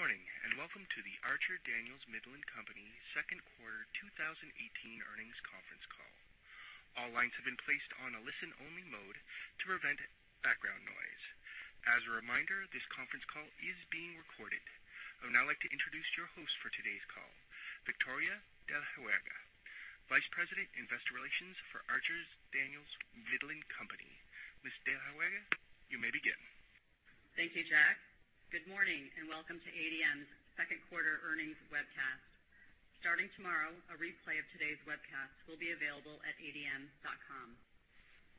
Good morning, and welcome to the Archer Daniels Midland Company second quarter 2018 earnings conference call. All lines have been placed on a listen-only mode to prevent background noise. As a reminder, this conference call is being recorded. I would now like to introduce your host for today's call, Victoria de la Huerga, Vice President, Investor Relations for Archer Daniels Midland Company. Ms. DeLaVega, you may begin. Thank you, Jack. Good morning, and welcome to ADM's second quarter earnings webcast. Starting tomorrow, a replay of today's webcast will be available at adm.com.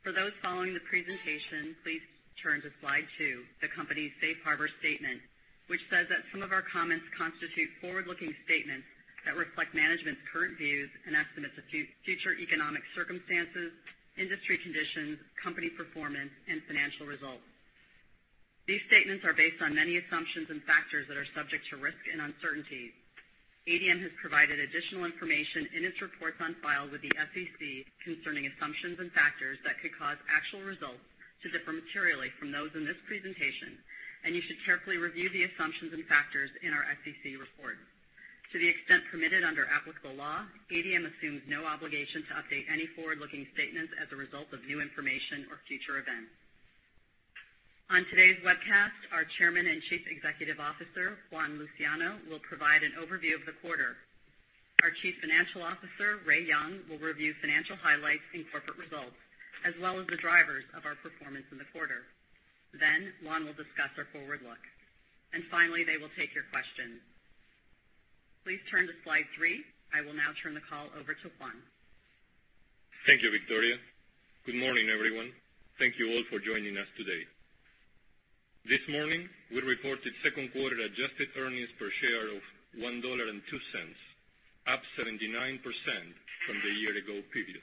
For those following the presentation, please turn to slide two, the company's safe harbor statement, which says that some of our comments constitute forward-looking statements that reflect management's current views and estimates of future economic circumstances, industry conditions, company performance, and financial results. These statements are based on many assumptions and factors that are subject to risk and uncertainty. ADM has provided additional information in its reports on file with the SEC concerning assumptions and factors that could cause actual results to differ materially from those in this presentation, and you should carefully review the assumptions and factors in our SEC report. To the extent permitted under applicable law, ADM assumes no obligation to update any forward-looking statements as a result of new information or future events. On today's webcast, our Chairman and Chief Executive Officer, Juan Luciano, will provide an overview of the quarter. Our Chief Financial Officer, Ray Young, will review financial highlights and corporate results as well as the drivers of our performance in the quarter. Juan will discuss our forward look. Finally, they will take your questions. Please turn to slide three. I will now turn the call over to Juan. Thank you, Victoria. Good morning, everyone. Thank you all for joining us today. This morning, we reported second quarter adjusted earnings per share of $1.02, up 79% from the year ago period.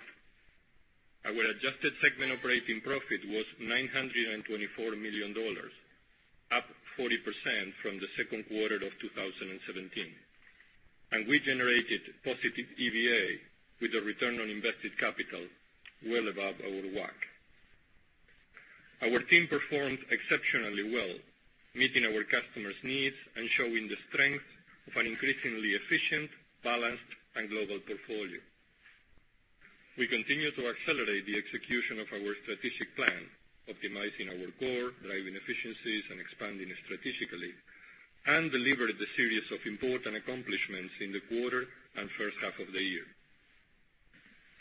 Our adjusted segment operating profit was $924 million, up 40% from the second quarter of 2017. We generated positive EVA with a return on invested capital well above our WACC. Our team performed exceptionally well, meeting our customers' needs and showing the strength of an increasingly efficient, balanced, and global portfolio. We continue to accelerate the execution of our strategic plan, optimizing our core, driving efficiencies, and expanding strategically, delivered a series of important accomplishments in the quarter and first half of the year.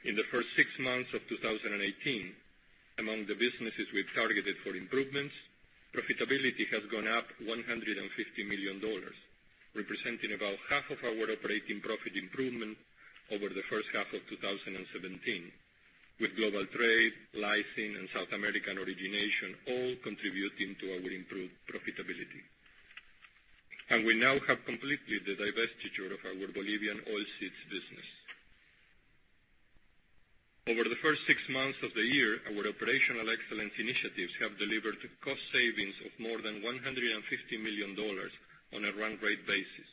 In the first six months of 2018, among the businesses we've targeted for improvements, profitability has gone up $150 million, representing about half of our operating profit improvement over the first half of 2017, with global trade, lysine, and South American Origination all contributing to our improved profitability. We now have completed the divestiture of our Bolivian oilseeds business. Over the first six months of the year, our operational excellence initiatives have delivered cost savings of more than $150 million on a run rate basis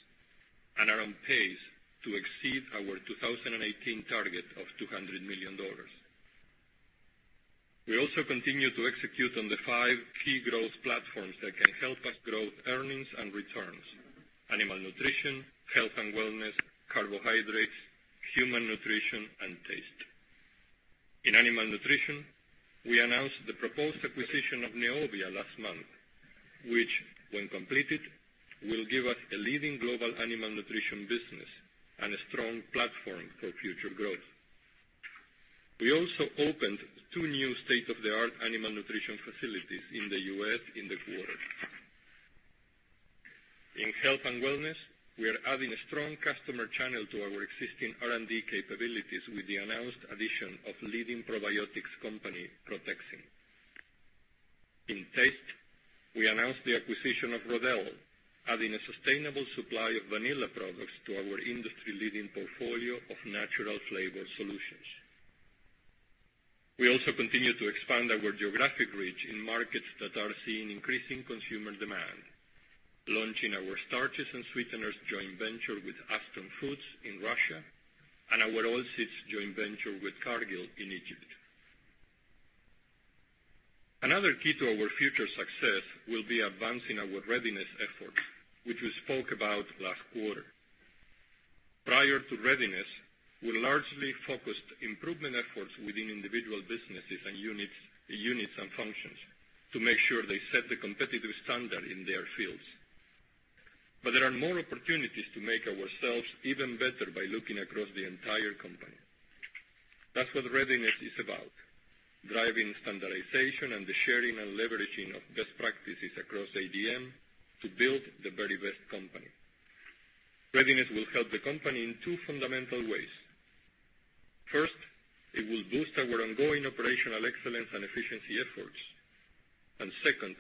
and are on pace to exceed our 2018 target of $200 million. We also continue to execute on the five key growth platforms that can help us grow earnings and returns: animal nutrition, Health & Wellness, Carbohydrates, human nutrition, and taste. In animal nutrition, we announced the proposed acquisition of Neovia last month, which, when completed, will give us a leading global animal nutrition business and a strong platform for future growth. We also opened two new state-of-the-art animal nutrition facilities in the U.S. in the quarter. In Health & Wellness, we are adding a strong customer channel to our existing R&D capabilities with the announced addition of leading probiotics company Protexin. In taste, we announced the acquisition of Rodelle, adding a sustainable supply of vanilla products to our industry-leading portfolio of natural flavor solutions. We also continue to expand our geographic reach in markets that are seeing increasing consumer demand, launching our starches and sweeteners joint venture with Aston Foods in Russia and our oilseeds joint venture with Cargill in Egypt. Another key to our future success will be advancing our Readiness effort, which we spoke about last quarter. Prior to Readiness, we largely focused improvement efforts within individual businesses and units and functions to make sure they set the competitive standard in their fields. There are more opportunities to make ourselves even better by looking across the entire company. That's what Readiness is about, driving standardization and the sharing and leveraging of best practices across ADM to build the very best company. Readiness will help the company in two fundamental ways. First, it will boost our ongoing operational excellence and efficiency efforts. Second,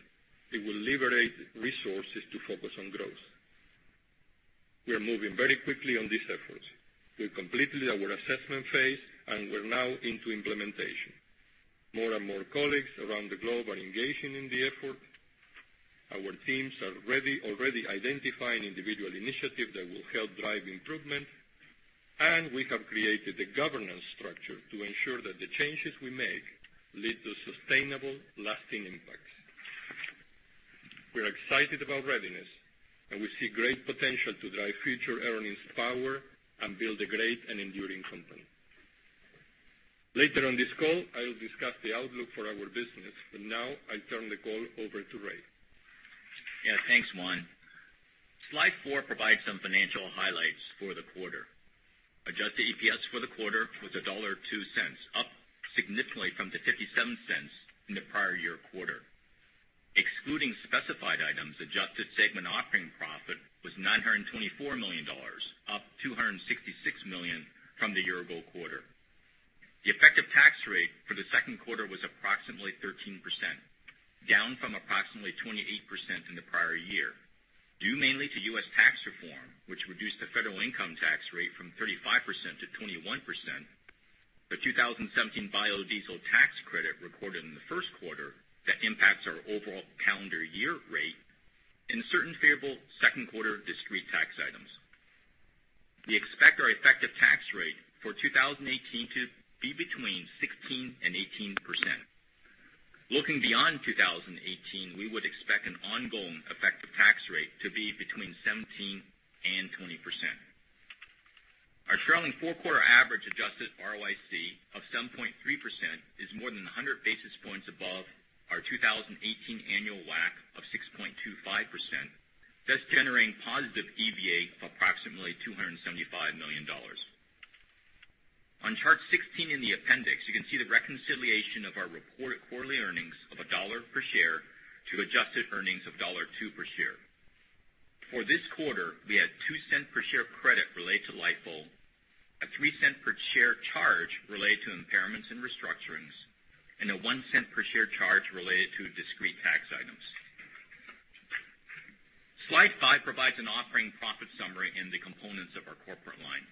it will liberate resources to focus on growth. We are moving very quickly on these efforts. We've completed our assessment phase, and we're now into implementation. More and more colleagues around the globe are engaging in the effort. Our teams are already identifying individual initiatives that will help drive improvement. We have created a governance structure to ensure that the changes we make lead to sustainable, lasting impacts. We're excited about Readiness, and we see great potential to drive future earnings power and build a great and enduring company. Later in this call, I'll discuss the outlook for our business, but now I turn the call over to Ray. Thanks, Juan. Slide four provides some financial highlights for the quarter. Adjusted EPS for the quarter was $1.02, up significantly from the $0.57 in the prior year quarter. Excluding specified items, adjusted segment operating profit was $924 million, up $266 million from the year-ago quarter. The effective tax rate for the second quarter was approximately 13%, down from approximately 28% in the prior year, due mainly to U.S. tax reform, which reduced the federal income tax rate from 35% to 21%, the 2017 biodiesel tax credit recorded in the first quarter that impacts our overall calendar year rate, and certain favorable second quarter discrete tax items. We expect our effective tax rate for 2018 to be between 16%-18%. Looking beyond 2018, we would expect an ongoing effective tax rate to be between 17%-20%. Our trailing four-quarter average adjusted ROIC of 7.3% is more than 100 basis points above our 2018 annual WACC of 6.25%, thus generating positive EVA of approximately $275 million. On chart 16 in the appendix, you can see the reconciliation of our reported quarterly earnings of $1 per share to adjusted earnings of $1.02 per share. For this quarter, we had a $0.02 per share credit related to Lightbulb, a $0.03 per share charge related to impairments and restructurings, and a $0.01 per share charge related to discrete tax items. Slide five provides an operating profit summary in the components of our corporate lines.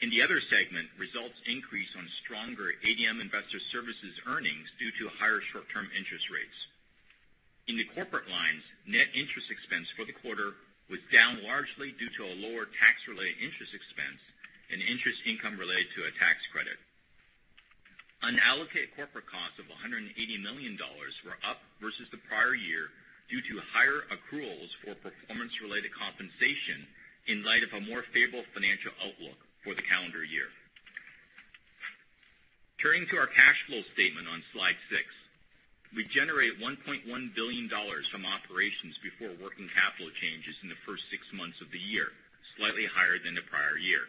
In the other segment, results increase on stronger ADM Investor Services earnings due to higher short-term interest rates. In the corporate lines, net interest expense for the quarter was down largely due to a lower tax-related interest expense and interest income related to a tax credit. Unallocated corporate costs of $180 million were up versus the prior year due to higher accruals for performance-related compensation in light of a more favorable financial outlook for the calendar year. Turning to our cash flow statement on Slide six, we generate $1.1 billion from operations before working capital changes in the first six months of the year, slightly higher than the prior year.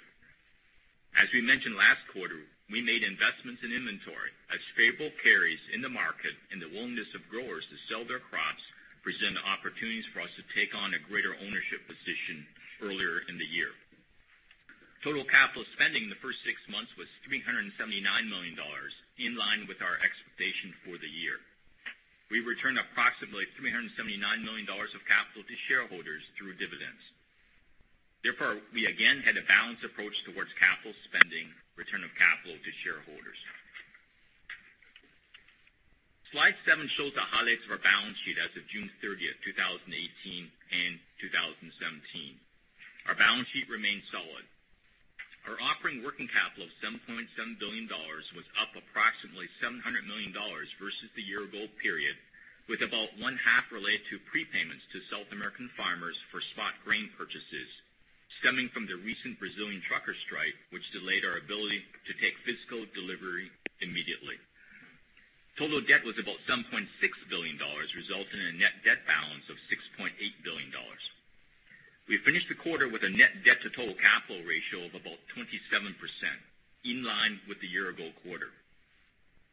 As we mentioned last quarter, we made investments in inventory as favorable carries in the market and the willingness of growers to sell their crops present opportunities for us to take on a greater ownership position earlier in the year. Total capital spending in the first six months was $379 million, in line with our expectation for the year. We returned approximately $379 million of capital to shareholders through dividends. Therefore, we again had a balanced approach towards capital spending, return of capital to shareholders. Slide seven shows the highlights of our balance sheet as of June 30th, 2018 and 2017. Our balance sheet remains solid. Our operating working capital of $7.7 billion was up approximately $700 million versus the year-ago period, with about one half related to prepayments to South American farmers for spot grain purchases stemming from the recent Brazilian trucker strike, which delayed our ability to take physical delivery immediately. Total debt was about $7.6 billion, resulting in a net debt balance of $6.8 billion. We finished the quarter with a net debt to total capital ratio of about 27%, in line with the year-ago quarter.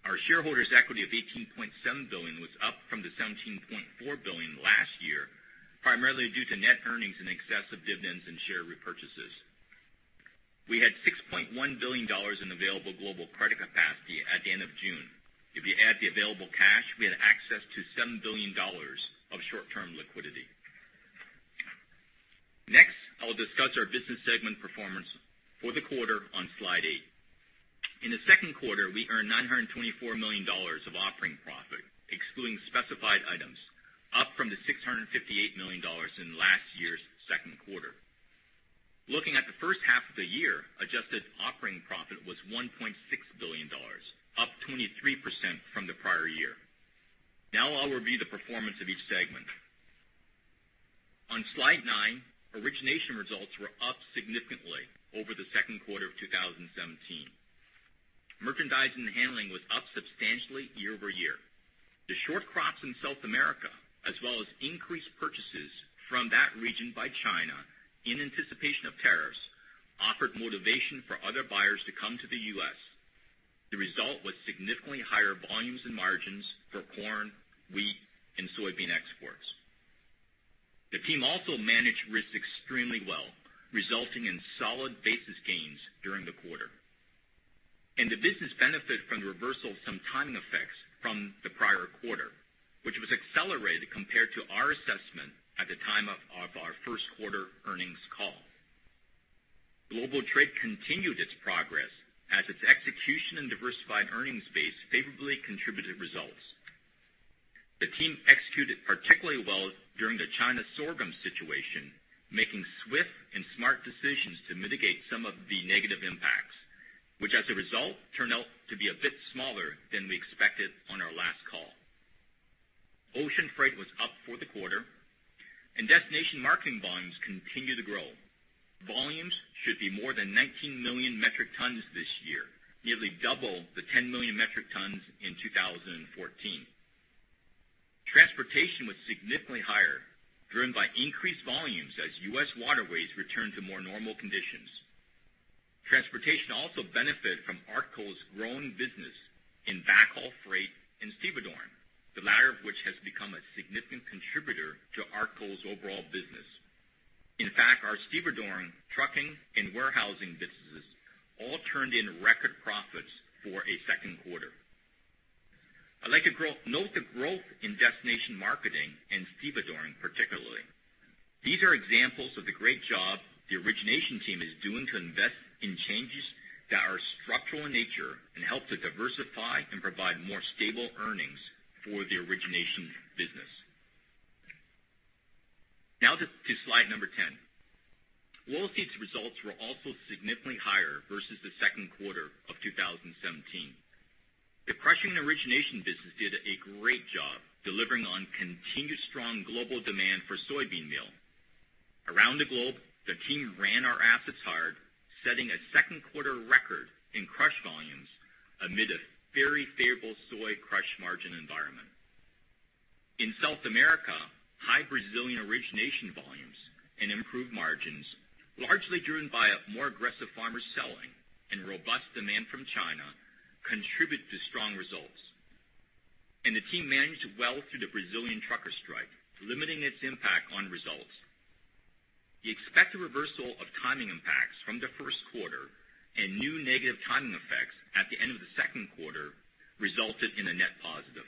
Our shareholders' equity of $18.7 billion was up from the $17.4 billion last year, primarily due to net earnings in excess of dividends and share repurchases. We had $6.1 billion in available global credit capacity at the end of June. If you add the available cash, we had access to $7 billion of short-term liquidity. Next, I will discuss our business segment performance for the quarter on slide eight. In the second quarter, we earned $924 million of operating profit, excluding specified items, up from the $658 million in last year's second quarter. Looking at the first half of the year, adjusted operating profit was $1.6 billion, up 23% from the prior year. Now I'll review the performance of each segment. On slide nine, origination results were up significantly over the second quarter of 2017. Merchandise and handling was up substantially year-over-year. The short crops in South America, as well as increased purchases from that region by China in anticipation of tariffs, offered motivation for other buyers to come to the U.S. The result was significantly higher volumes and margins for corn, wheat, and soybean exports. The team also managed risks extremely well, resulting in solid basis gains during the quarter. The business benefited from the reversal of some timing effects from the prior quarter, which was accelerated compared to our assessment at the time of our first quarter earnings call. Global trade continued its and diversified earnings base favorably contributed results. The team executed particularly well during the China sorghum situation, making swift and smart decisions to mitigate some of the negative impacts, which as a result, turned out to be a bit smaller than we expected on our last call. Ocean Freight was up for the quarter, and Destination Marketing volumes continue to grow. Volumes should be more than 19 million metric tons this year, nearly double the 10 million metric tons in 2014. Transportation was significantly higher, driven by increased volumes as U.S. waterways return to more normal conditions. Transportation also benefited from Archer Daniels Midland's growing business in backhaul freight and stevedoring, the latter of which has become a significant contributor to Archer Daniels Midland's overall business. In fact, our stevedoring, trucking, and warehousing businesses all turned in record profits for a second quarter. I'd like to note the growth in Destination Marketing and stevedoring, particularly. These are examples of the great job the origination team is doing to invest in changes that are structural in nature and help to diversify and provide more stable earnings for the origination business. Now to slide number 10. Oilseeds results were also significantly higher versus the second quarter of 2017. The crushing and origination business did a great job delivering on continued strong global demand for soybean meal. Around the globe, the team ran our assets hard, setting a second quarter record in crush volumes amid a very favorable soy crush margin environment. In South America, high Brazilian origination volumes and improved margins, largely driven by a more aggressive farmer selling and robust demand from China, contributed to strong results. The team managed well through the Brazilian trucker strike, limiting its impact on results. The expected reversal of timing impacts from the first quarter and new negative timing effects at the end of the second quarter resulted in a net positive.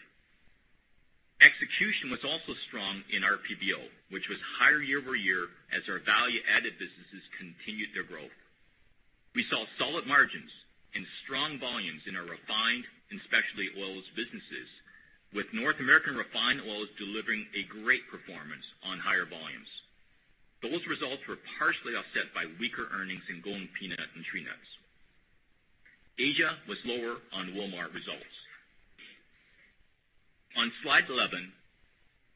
Execution was also strong in our PBO, which was higher year-over-year as our value-added businesses continued to grow. We saw solid margins and strong volumes in our refined and specialty oils businesses, with North American refined oils delivering a great performance on higher volumes. Those results were partially offset by weaker earnings in Golden Peanut and Tree Nuts. Asia was lower on Wilmar results. On slide 11,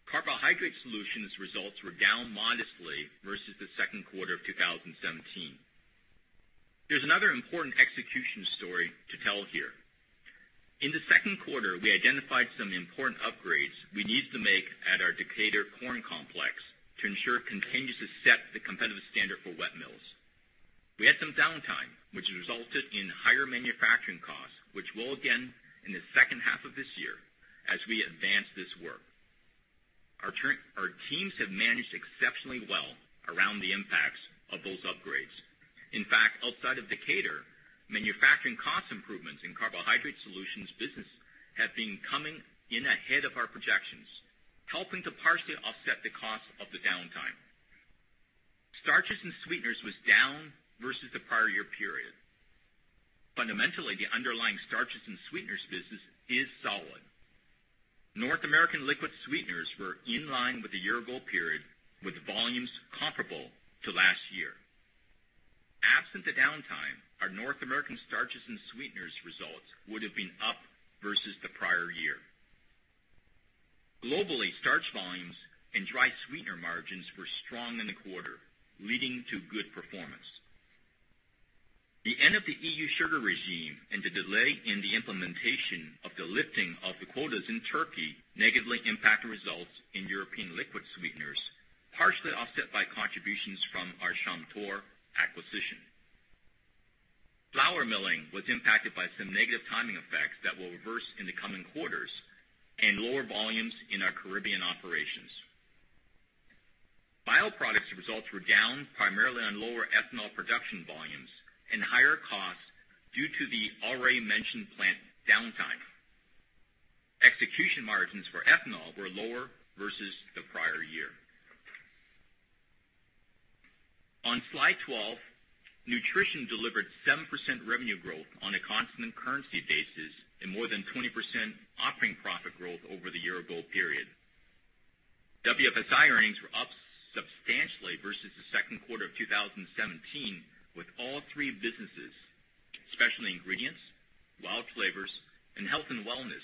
Carbohydrate Solutions results were down modestly versus the second quarter of 2017. There is another important execution story to tell here. In the second quarter, we identified some important upgrades we needed to make at our Decatur corn complex to ensure it continues to set the competitive standard for wet mills. We had some downtime, which resulted in higher manufacturing costs, which will again in the second half of this year as we advance this work. Our teams have managed exceptionally well around the impacts of those upgrades. In fact, outside of Decatur, manufacturing cost improvements in Carbohydrate Solutions business have been coming in ahead of our projections, helping to partially offset the cost of the downtime. Starches and sweeteners was down versus the prior year period. Fundamentally, the underlying starches and sweeteners business is solid. North American liquid sweeteners were in line with the year-ago period, with volumes comparable to last year. Absent the downtime, our North American starches and sweeteners results would have been up versus the prior year. Globally, starch volumes and dry sweetener margins were strong in the quarter, leading to good performance. The end of the EU sugar regime and the delay in the implementation of the lifting of the quotas in Turkey negatively impacted results in European liquid sweeteners, partially offset by contributions from our Chamtor acquisition. Flour milling was impacted by some negative timing effects that will reverse in the coming quarters and lower volumes in our Caribbean operations. Bioproducts results were down, primarily on lower ethanol production volumes and higher costs due to the already mentioned plant downtime. Execution margins for ethanol were lower versus the prior year. On slide 12, Nutrition delivered 7% revenue growth on a constant and currency basis and more than 20% operating profit growth over the year-ago period. WFSI earnings were up substantially versus the second quarter of 2017, with all three businesses, Specialty Ingredients, WILD Flavors, and Health & Wellness,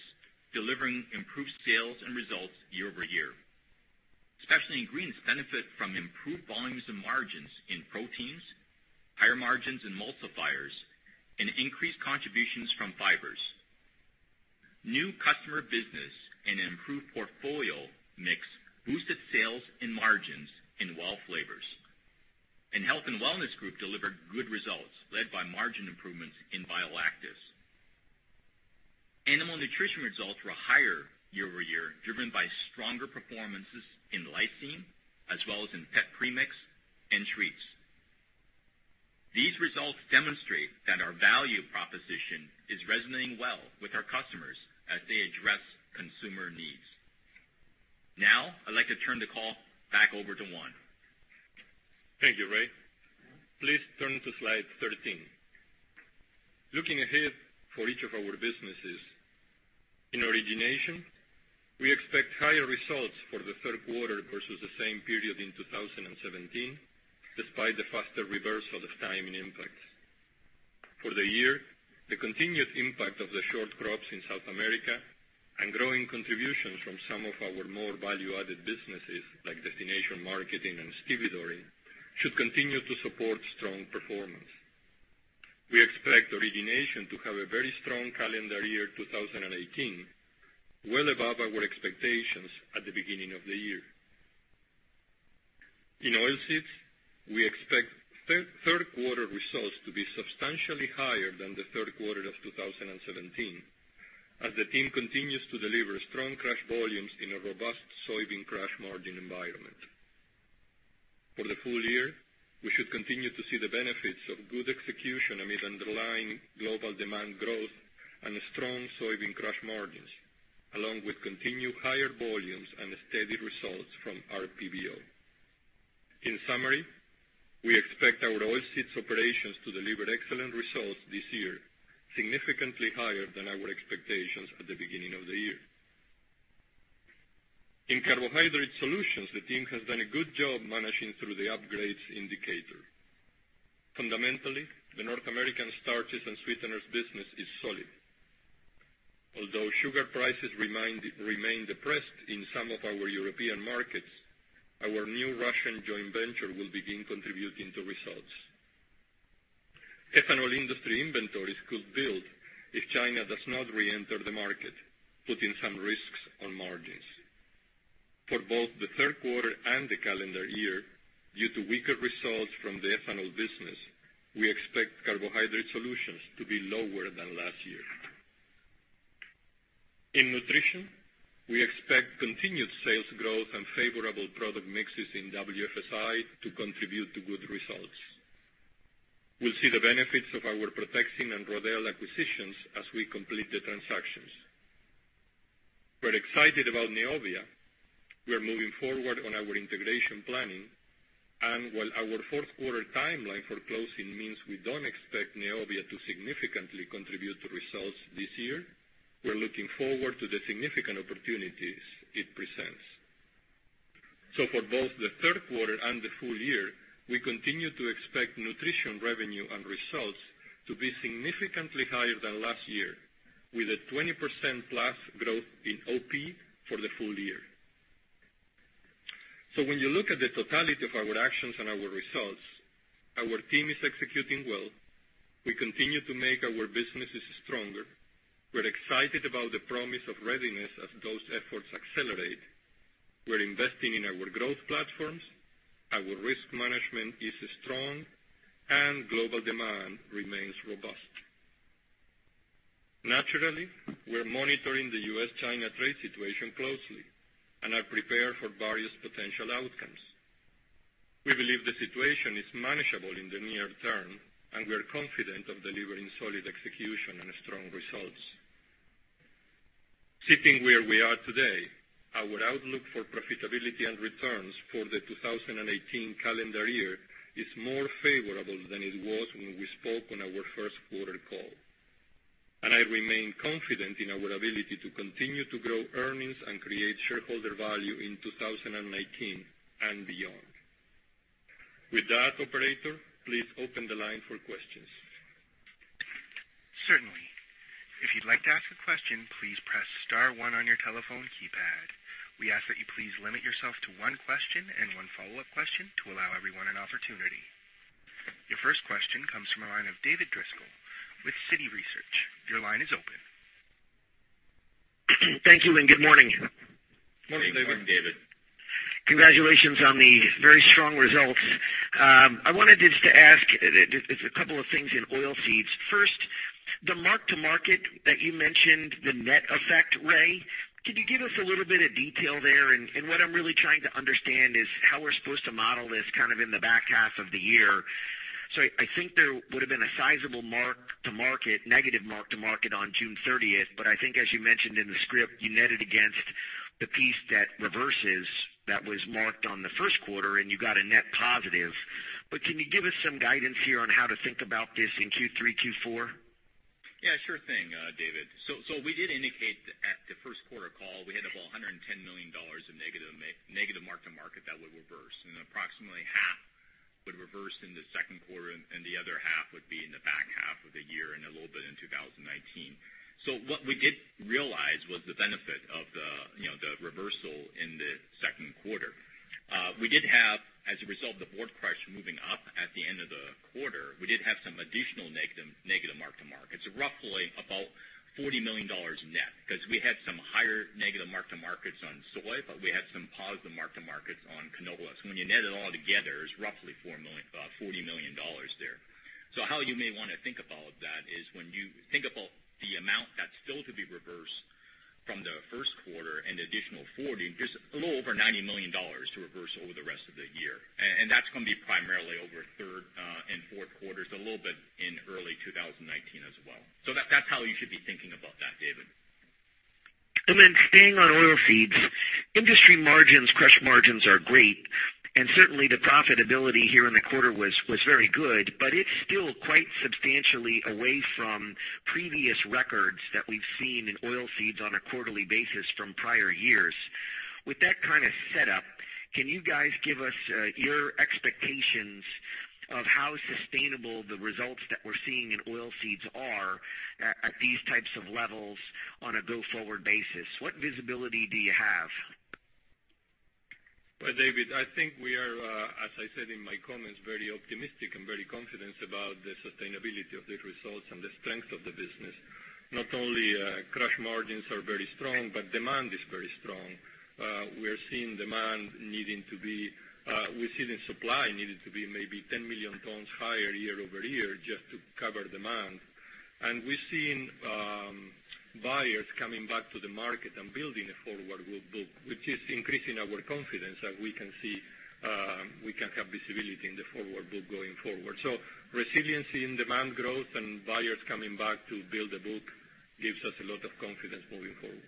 delivering improved sales and results year-over-year. Specialty Ingredients benefit from improved volumes and margins in proteins, higher margins in multipliers, and increased contributions from fibers. New customer business and improved portfolio mix boosted sales and margins in WILD Flavors. Health & Wellness group delivered good results, led by margin improvements in Bioactives. Animal Nutrition results were higher year-over-year, driven by stronger performances in Lysine, as well as in Pet Premix and Treats. These results demonstrate that our value proposition is resonating. They address consumer needs. Now, I would like to turn the call back over to Juan. Thank you, Ray. Please turn to slide 13. Looking ahead for each of our businesses. In Origination, we expect higher results for the third quarter versus the same period in 2017, despite the faster reversal of timing impacts. For the year, the continued impact of the short crops in South America and growing contributions from some of our more value-added businesses, like Destination Marketing and stevedoring, should continue to support strong performance. We expect Origination to have a very strong calendar year 2018, well above our expectations at the beginning of the year. In Oilseeds, we expect third quarter results to be substantially higher than the third quarter of 2017, as the team continues to deliver strong crush volumes in a robust soybean crush margin environment. For the full year, we should continue to see the benefits of good execution amid underlying global demand growth and strong soybean crush margins, along with continued higher volumes and steady results from our PBO. In summary, we expect our Oilseeds operations to deliver excellent results this year, significantly higher than our expectations at the beginning of the year. In Carbohydrate Solutions, the team has done a good job managing through the upgrades indicator. Fundamentally, the North American starches and sweeteners business is solid. Although sugar prices remain depressed in some of our European markets, our new Russian joint venture will begin contributing to results. Ethanol industry inventories could build if China does not re-enter the market, putting some risks on margins. For both the third quarter and the calendar year, due to weaker results from the ethanol business, we expect Carbohydrate Solutions to be lower than last year. In Nutrition, we expect continued sales growth and favorable product mixes in WFSI to contribute to good results. We'll see the benefits of our Protexin and Rodelle acquisitions as we complete the transactions. We're excited about Neovia. We are moving forward on our integration planning. While our fourth quarter timeline for closing means we don't expect Neovia to significantly contribute to results this year, we're looking forward to the significant opportunities it presents. For both the third quarter and the full year, we continue to expect Nutrition revenue and results to be significantly higher than last year, with a 20%+ growth in OP for the full year. When you look at the totality of our actions and our results, our team is executing well. We continue to make our businesses stronger. We're excited about the promise of Readiness as those efforts accelerate. We're investing in our growth platforms. Our risk management is strong, and global demand remains robust. Naturally, we're monitoring the U.S.-China trade situation closely and are prepared for various potential outcomes. We believe the situation is manageable in the near term, and we are confident of delivering solid execution and strong results. Sitting where we are today, our outlook for profitability and returns for the 2018 calendar year is more favorable than it was when we spoke on our first quarter call. I remain confident in our ability to continue to grow earnings and create shareholder value in 2019 and beyond. With that, operator, please open the line for questions. Certainly. If you'd like to ask a question, please press *1 on your telephone keypad. We ask that you please limit yourself to one question and one follow-up question to allow everyone an opportunity. Your first question comes from the line of David Driscoll with Citi Research. Your line is open. Thank you, and good morning. Morning, David. Morning, David. Congratulations on the very strong results. I wanted just to ask a couple of things in oilseeds. First, the mark-to-market that you mentioned, the net effect, Ray, could you give us a little bit of detail there? What I'm really trying to understand is how we're supposed to model this kind of in the back half of the year. I think there would've been a sizable mark-to-market, negative mark-to-market on June 30th, but I think as you mentioned in the script, you netted against the piece that reverses, that was marked on the first quarter, and you got a net positive. Can you give us some guidance here on how to think about this in Q3, Q4? Yeah, sure thing, David. We did indicate at the first quarter call, we had about $110 million of negative mark-to-market that would reverse, and approximately half would reverse in the second quarter, and the other half would be in the back half of the year, and a little bit in 2019. What we did realize was the benefit of the reversal in the second quarter. We did have, as a result of the board crush moving up at the end of the quarter, we did have some additional negative mark-to-markets, roughly about $40 million net. Because we had some higher negative mark-to-markets on soy, but we had some positive mark-to-markets on canola. When you net it all together, it's roughly $40 million there. How you may want to think about that is when you think about the amount that's still to be reversed from the first quarter and the additional $40, there's a little over $90 million to reverse over the rest of the year. That's going to be primarily over third and fourth quarters, a little bit in early 2019 as well. That's how you should be thinking about that, David. Staying on oilseeds, industry margins, crush margins are great, and certainly the profitability here in the quarter was very good, but it's still quite substantially away from previous records that we've seen in oilseeds on a quarterly basis from prior years. With that kind of setup, can you guys give us your expectations of how sustainable the results that we're seeing in oilseeds are at these types of levels on a go-forward basis? What visibility do you have? Well, David, I think we are, as I said in my comments, very optimistic and very confident about the sustainability of the results and the strength of the business. Not only crush margins are very strong, but demand is very strong. We're seeing supply needed to be maybe 10 million tons higher year-over-year just to cover demand. We're seeing buyers coming back to the market and building a forward book, which is increasing our confidence that we can have visibility in the forward book going forward. Resiliency in demand growth and buyers coming back to build a book gives us a lot of confidence moving forward.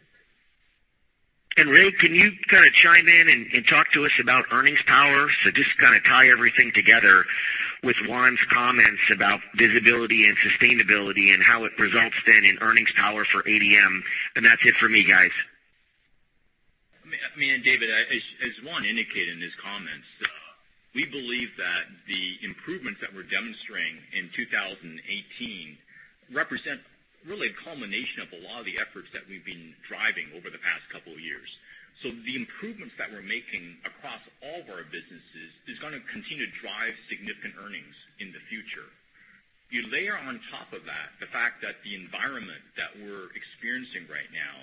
Ray, can you kind of chime in and talk to us about earnings power? Just kind of tie everything together with Juan's comments about visibility and sustainability and how it results then in earnings power for ADM. That's it for me, guys. David, as Juan indicated in his comments, we believe that the improvements that we're demonstrating in 2018 represent really a culmination of a lot of the efforts that we've been driving over the past couple of years. The improvements that we're making across all of our businesses is going to continue to drive significant earnings in the future. You layer on top of that the fact that the environment that we're experiencing right now,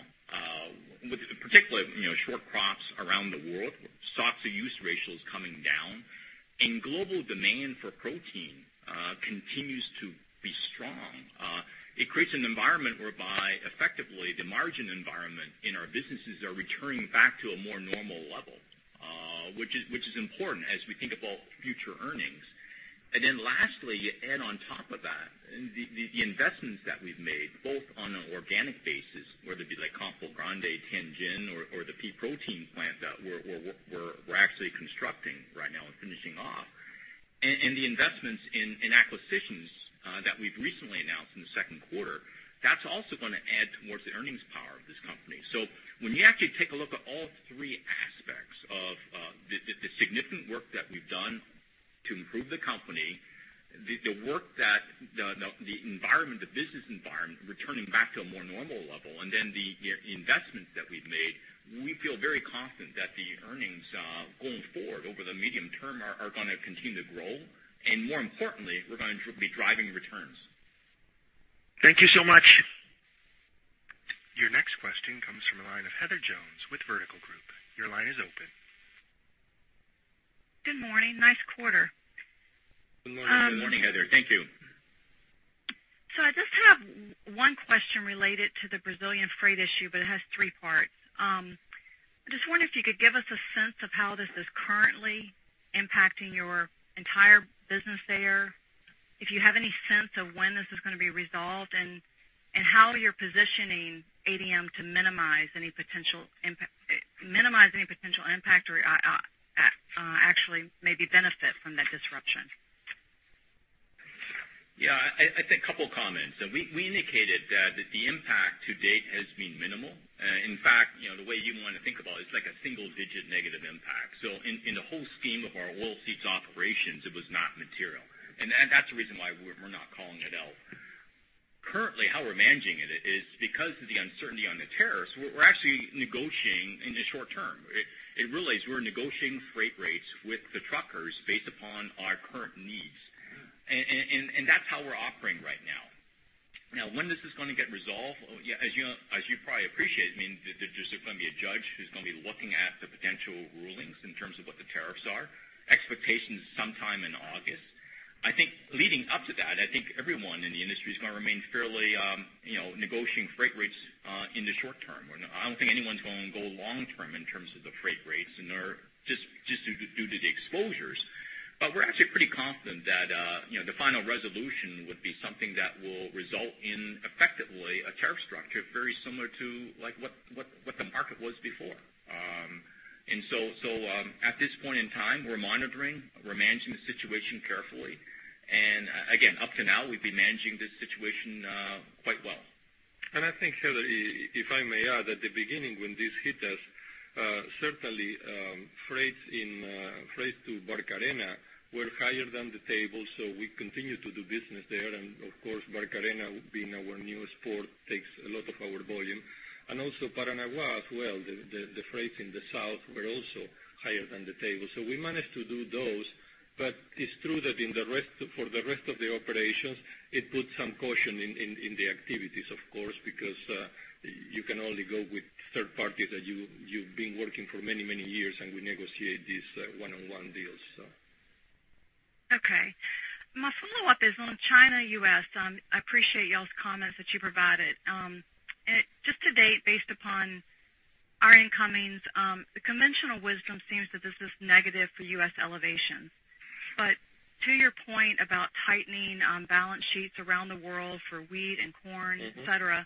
with particular short crops around the world, stocks-to-use ratios coming down, and global demand for protein continues to be strong. It creates an environment whereby effectively the margin environment in our businesses are returning back to a more normal level, which is important as we think about future earnings. Lastly, you add on top of that the investments that we've made, both on an organic basis, whether it be like Campo Grande, Tianjin, or the pea protein plant that we're actually constructing right now and finishing off. The investments in acquisitions that we've recently announced in the second quarter, that's also going to add towards the earnings power of this company. When you actually take a look at all three aspects of the significant work that we've done to improve the company, the business environment returning back to a more normal level, and then the investments that we've made, we feel very confident that the earnings going forward over the medium term are going to continue to grow. More importantly, we're going to be driving returns. Thank you so much. Your next question comes from the line of Heather Jones with Vertical Group. Your line is open. Good morning. Nice quarter. Good morning, Heather. Thank you. I just have one question related to the Brazilian freight issue, but it has three parts. I just wonder if you could give us a sense of how this is currently impacting your entire business there, if you have any sense of when this is going to be resolved, and how you're positioning ADM to minimize any potential impact or actually maybe benefit from that disruption. I think a couple comments. We indicated that the impact to date has been minimal. In fact, the way you'd want to think about it's like a single-digit negative impact. In the whole scheme of our oilseeds operations, it was not material. That's the reason why we're not calling it out. Currently, how we're managing it is because of the uncertainty on the tariffs, we're actually negotiating in the short term. In reality, we're negotiating freight rates with the truckers based upon our current needs. That's how we're operating right now. When this is going to get resolved, as you probably appreciate, there's going to be a judge who's going to be looking at the potential rulings in terms of what the tariffs are. Expectation is sometime in August. I think leading up to that, I think everyone in the industry is going to remain fairly negotiating freight rates in the short term. I don't think anyone's going to go long term in terms of the freight rates just due to the exposures. We're actually pretty confident that the final resolution would be something that will result in effectively a tariff structure very similar to what the market was before. At this point in time, we're monitoring, we're managing the situation carefully. Again, up to now, we've been managing this situation quite well. I think, Heather, if I may add, at the beginning when this hit us, certainly freights to Barcarena were higher than the table, we continued to do business there. Of course, Barcarena, being our newest port, takes a lot of our volume. Also Paranaguá as well, the freight in the south were also higher than the table. We managed to do those, but it's true that for the rest of the operations, it put some caution in the activities, of course, because you can only go with third parties that you've been working for many, many years and we negotiate these one-on-one deals. Okay. My follow-up is on China-U.S. I appreciate y'all's comments that you provided. Just to date, based upon [Arjun Cummings], the conventional wisdom seems that this is negative for U.S. elevation. To your point about tightening balance sheets around the world for wheat and corn, et cetera.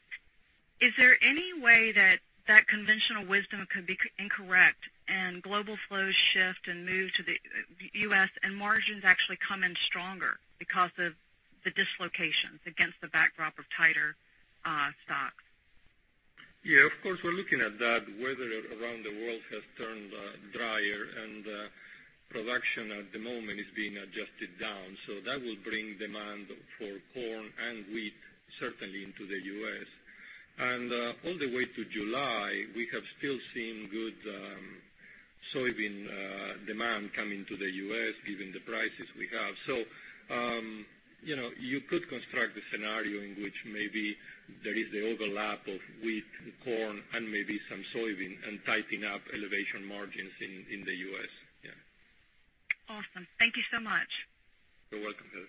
Is there any way that conventional wisdom could be incorrect and global flows shift and move to the U.S. and margins actually come in stronger because of the dislocations against the backdrop of tighter stocks? Yeah, of course, we're looking at that. Weather around the world has turned drier, production at the moment is being adjusted down. That will bring demand for corn and wheat, certainly into the U.S. All the way to July, we have still seen good soybean demand coming to the U.S., given the prices we have. You could construct a scenario in which maybe there is the overlap of wheat and corn and maybe some soybean and tightening up elevation margins in the U.S. Yeah. Awesome. Thank you so much. You're welcome, Heather.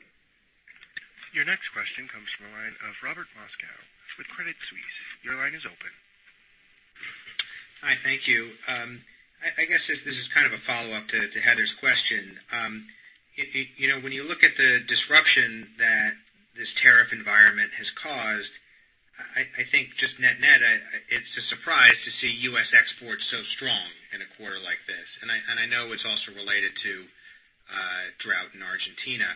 Your next question comes from the line of Robert Moskow with Credit Suisse. Your line is open. Hi. Thank you. I guess this is kind of a follow-up to Heather's question. When you look at the disruption that this tariff environment has caused, I think just net-net, it's a surprise to see U.S. exports so strong in a quarter like this. I know it's also related to drought in Argentina.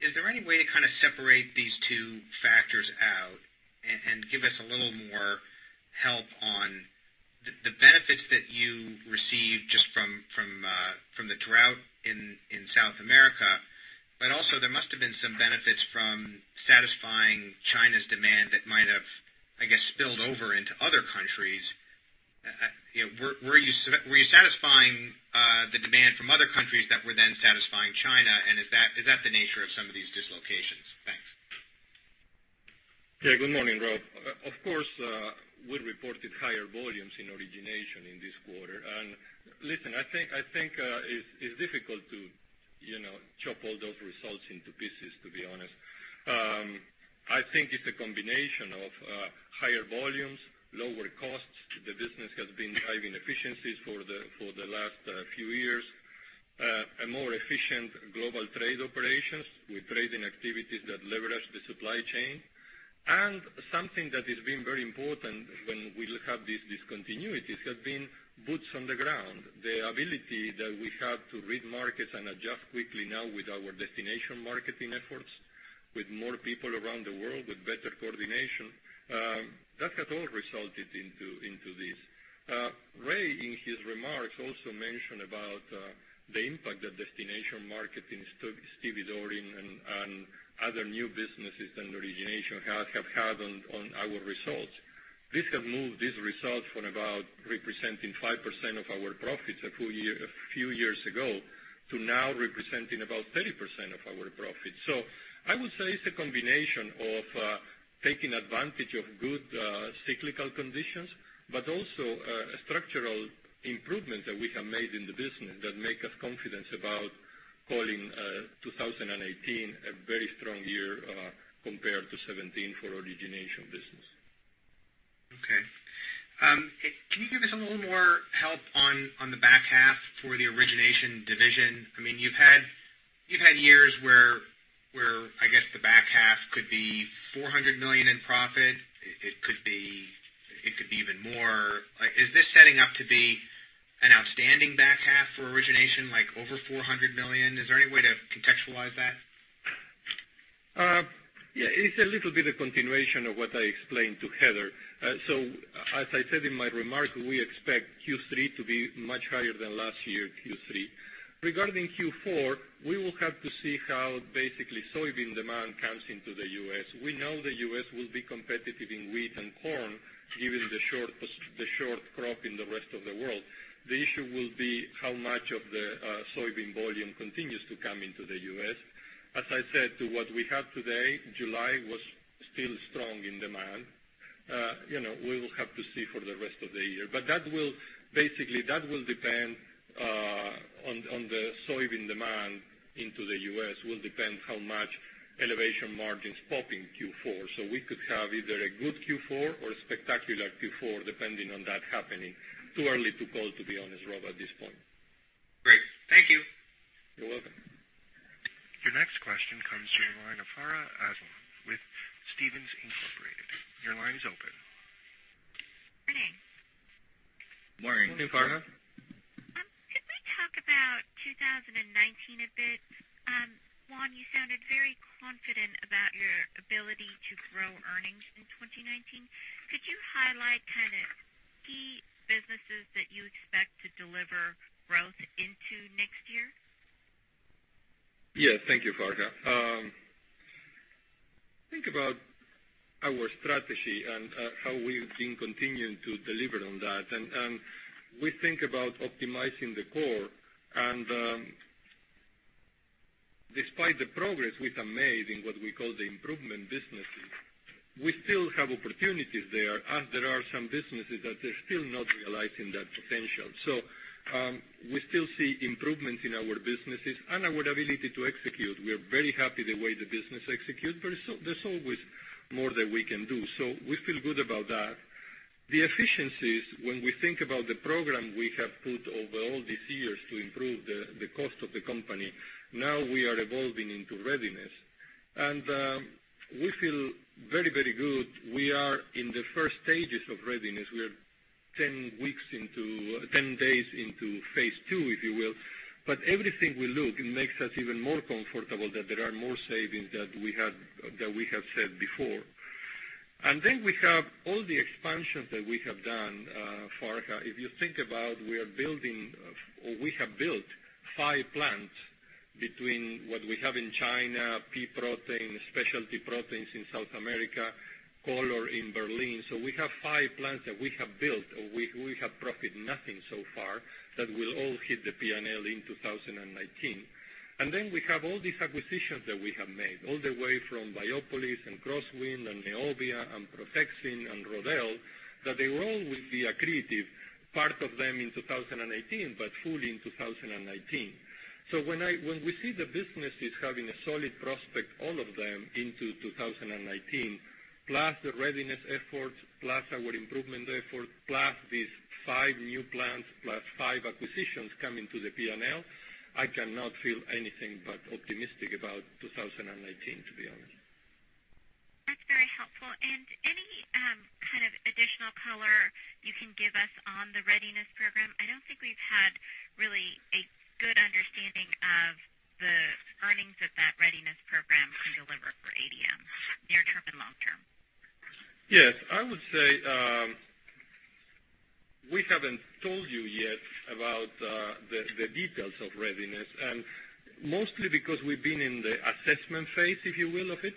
Is there any way to kind of separate these two factors out and give us a little more help on the benefits that you received just from the drought in South America, but also there must have been some benefits from satisfying China's demand that might have, I guess, spilled over into other countries. Were you satisfying the demand from other countries that were then satisfying China? Is that the nature of some of these dislocations? Thanks. Yeah. Good morning, Rob. Of course, we reported higher volumes in origination in this quarter. Listen, I think it's difficult to chop all those results into pieces, to be honest. I think it's a combination of higher volumes, lower costs. The business has been driving efficiencies for the last few years, a more efficient global trade operations with trading activities that leverage the supply chain. Something that has been very important when we have these discontinuities has been boots on the ground. The ability that we have to read markets and adjust quickly now with our Destination Marketing efforts, with more people around the world, with better coordination. That has all resulted into this. Ray, in his remarks, also mentioned about the impact that Destination Marketing, stevedoring, and other new businesses and origination have had on our results. This has moved this result from about representing 5% of our profits a few years ago to now representing about 30% of our profits. I would say it's a combination of taking advantage of good cyclical conditions, but also structural improvements that we have made in the business that make us confident about calling 2018 a very strong year compared to 2017 for Origination business. Okay. Can you give us a little more help on the back half for the Origination division? You've had years where I guess the back half could be $400 million in profit. It could be even more. Is this setting up to be an outstanding back half for Origination, like over $400 million? Is there any way to contextualize that? Yeah, it's a little bit of continuation of what I explained to Heather. As I said in my remarks, we expect Q3 to be much higher than last year's Q3. Regarding Q4, we will have to see how basically soybean demand comes into the U.S. We know the U.S. will be competitive in wheat and corn, given the short crop in the rest of the world. The issue will be how much of the soybean volume continues to come into the U.S. As I said, to what we have today, July was still strong in demand. We will have to see for the rest of the year. Basically, that will depend on the soybean demand into the U.S., will depend how much elevation margins pop in Q4. We could have either a good Q4 or a spectacular Q4, depending on that happening. Too early to call, to be honest, Rob, at this point. Great. Thank you. You're welcome. Your next question comes from the line of Farha Aslam with Stephens Inc.. Your line is open. Morning. Morning. Good morning, Farha. Could we talk about 2019 a bit? Juan, you sounded very confident about your ability to grow earnings in 2019. Could you highlight kind of key businesses that you expect to deliver growth into next year? Yeah. Thank you, Farha. Think about our strategy and how we've been continuing to deliver on that. We think about optimizing the core. Despite the progress we have made in what we call the improvement businesses, we still have opportunities there. There are some businesses that are still not realizing that potential. We still see improvement in our businesses and our ability to execute. We are very happy the way the business executes, but there's always more that we can do. We feel good about that. The efficiencies, when we think about the program we have put over all these years to improve the cost of the company, now we are evolving into Readiness. We feel very good. We are in the first stages of Readiness. We are 10 days into phase 2, if you will. Everything we look makes us even more comfortable that there are more savings that we have said before. We have all the expansions that we have done, Farha. If you think about it, we have built five plants between what we have in China, pea protein, specialty proteins in South America, color in Berlin. We have five plants that we have built, we have profit nothing so far, that will all hit the P&L in 2019. We have all these acquisitions that we have made, all the way from Biopolis and Crosswind and Neovia and Protexin and Rodelle, that they all will be accretive, part of them in 2018, but fully in 2019. When we see the businesses having a solid prospect, all of them into 2019, plus the Readiness efforts, plus our improvement effort, plus these five new plants, plus five acquisitions coming to the P&L, I cannot feel anything but optimistic about 2019, to be honest. That's very helpful. Any kind of additional color you can give us on the Readiness Program? I don't think we've had really a good understanding of the earnings that that Readiness Program can deliver for ADM, near term and long term. Yes. I would say, we haven't told you yet about the details of Readiness, and mostly because we've been in the assessment phase, if you will, of it.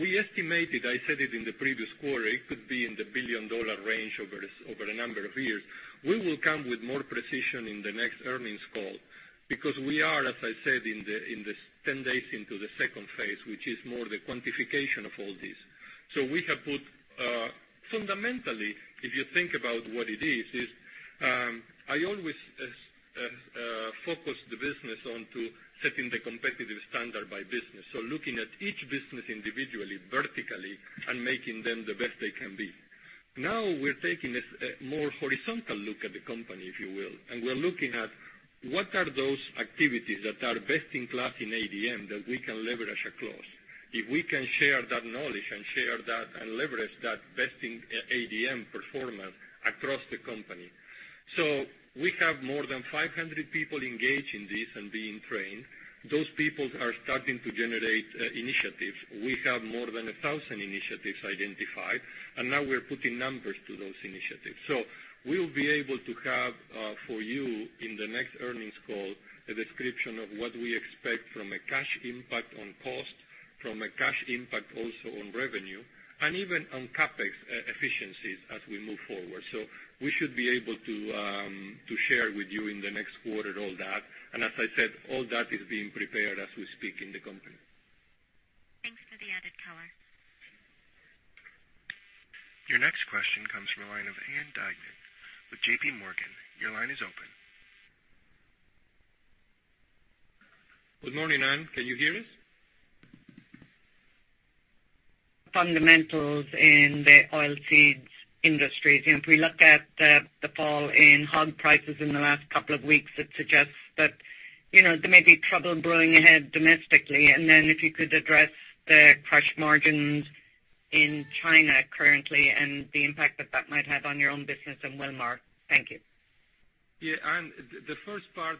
We estimated, I said it in the previous quarter, it could be in the billion-dollar range over a number of years. We will come with more precision in the next earnings call because we are, as I said, in the 10 days into the phase 2, which is more the quantification of all this. We have put, fundamentally, if you think about what it is, I always focus the business on to setting the competitive standard by business. Looking at each business individually, vertically, and making them the best they can be. Now we're taking a more horizontal look at the company, if you will, and we're looking at what are those activities that are best in class in ADM that we can leverage across. If we can share that knowledge and share that and leverage that best in ADM performance across the company. We have more than 500 people engaged in this and being trained. Those people are starting to generate initiatives. We have more than 1,000 initiatives identified, and now we're putting numbers to those initiatives. We'll be able to have for you in the next earnings call, a description of what we expect from a cash impact on cost, from a cash impact also on revenue, and even on CapEx efficiencies as we move forward. We should be able to share with you in the next quarter all that. As I said, all that is being prepared as we speak in the company. Thanks for the added color. Your next question comes from the line of Ann Duignan with JPMorgan. Your line is open. Good morning, Ann. Can you hear us? Fundamentals in the oilseed industries. If we look at the fall in hog prices in the last couple of weeks, it suggests that there may be trouble brewing ahead domestically. If you could address the crush margins in China currently and the impact that that might have on your own business and Wilmar. Thank you. Yeah, Ann, the first part,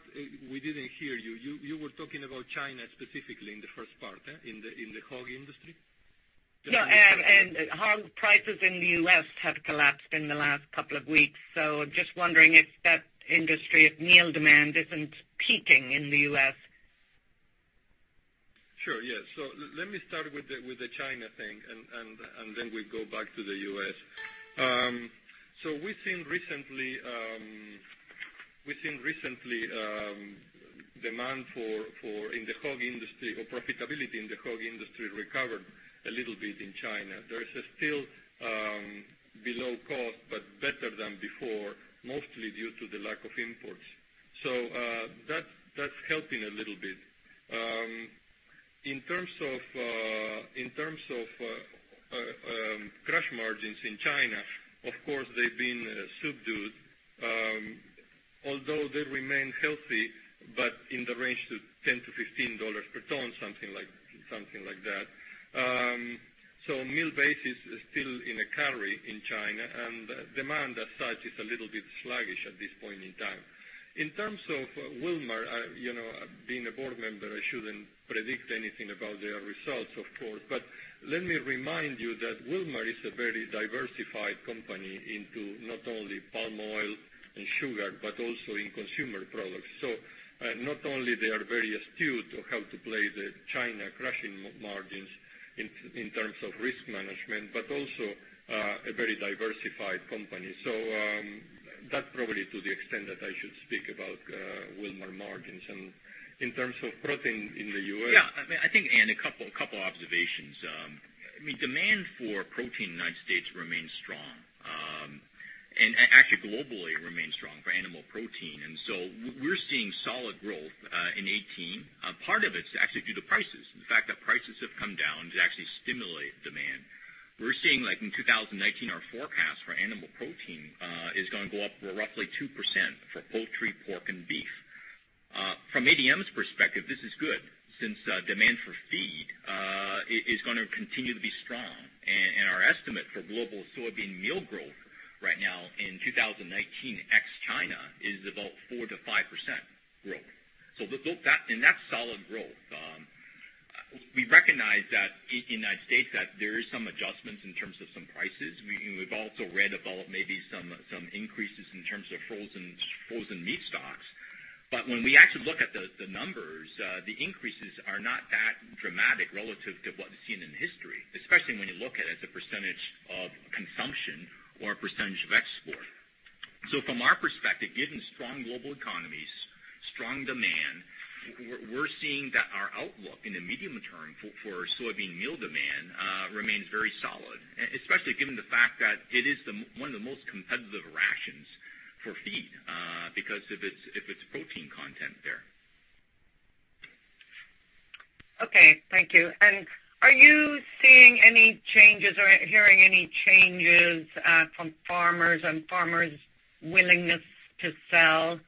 we didn't hear you. You were talking about China specifically in the first part, in the hog industry? Yeah. Hog prices in the U.S. have collapsed in the last couple of weeks. Just wondering if that industry, if meal demand isn't peaking in the U.S. Sure, yeah. Let me start with the China thing, and then we go back to the U.S. We've seen recently demand in the hog industry or profitability in the hog industry recover a little bit in China. There is still below cost, but better than before, mostly due to the lack of imports. That's helping a little bit. In terms of crush margins in China, of course, they've been subdued, although they remain healthy, but in the range of $10-$15 per ton, something like that. Meal base is still in a carry in China, and demand as such is a little bit sluggish at this point in time. In terms of Wilmar, being a board member, I shouldn't predict anything about their results, of course, but let me remind you that Wilmar is a very diversified company into not only palm oil and sugar, but also in consumer products. Not only they are very astute to how to play the China crushing margins in terms of risk management, but also a very diversified company. That's probably to the extent that I should speak about Wilmar margins. In terms of protein in the U.S. I think, Ann, a couple observations. Demand for protein in the United States remains strong. Actually globally, it remains strong for animal protein. We're seeing solid growth in 2018. Part of it's actually due to prices. The fact that prices have come down to actually stimulate demand. We're seeing in 2019, our forecast for animal protein is going to go up for roughly 2% for poultry, pork, and beef. From ADM's perspective, this is good since demand for feed is going to continue to be strong. Our estimate for global soybean meal growth right now in 2019, ex-China, is about 4%-5% growth. That's solid growth. We recognize that in the United States, that there is some adjustments in terms of some prices. We've also read about maybe some increases in terms of frozen meat stocks. When we actually look at the numbers, the increases are not that dramatic relative to what we've seen in history, especially when you look at it as a percentage of consumption or a percentage of export. From our perspective, given strong global economies, strong demand, we're seeing that our outlook in the medium term for soybean meal demand remains very solid, especially given the fact that it is one of the most competitive rations for feed, because of its protein content there. Okay. Thank you. Are you seeing any changes or hearing any changes from farmers and farmers' willingness to sell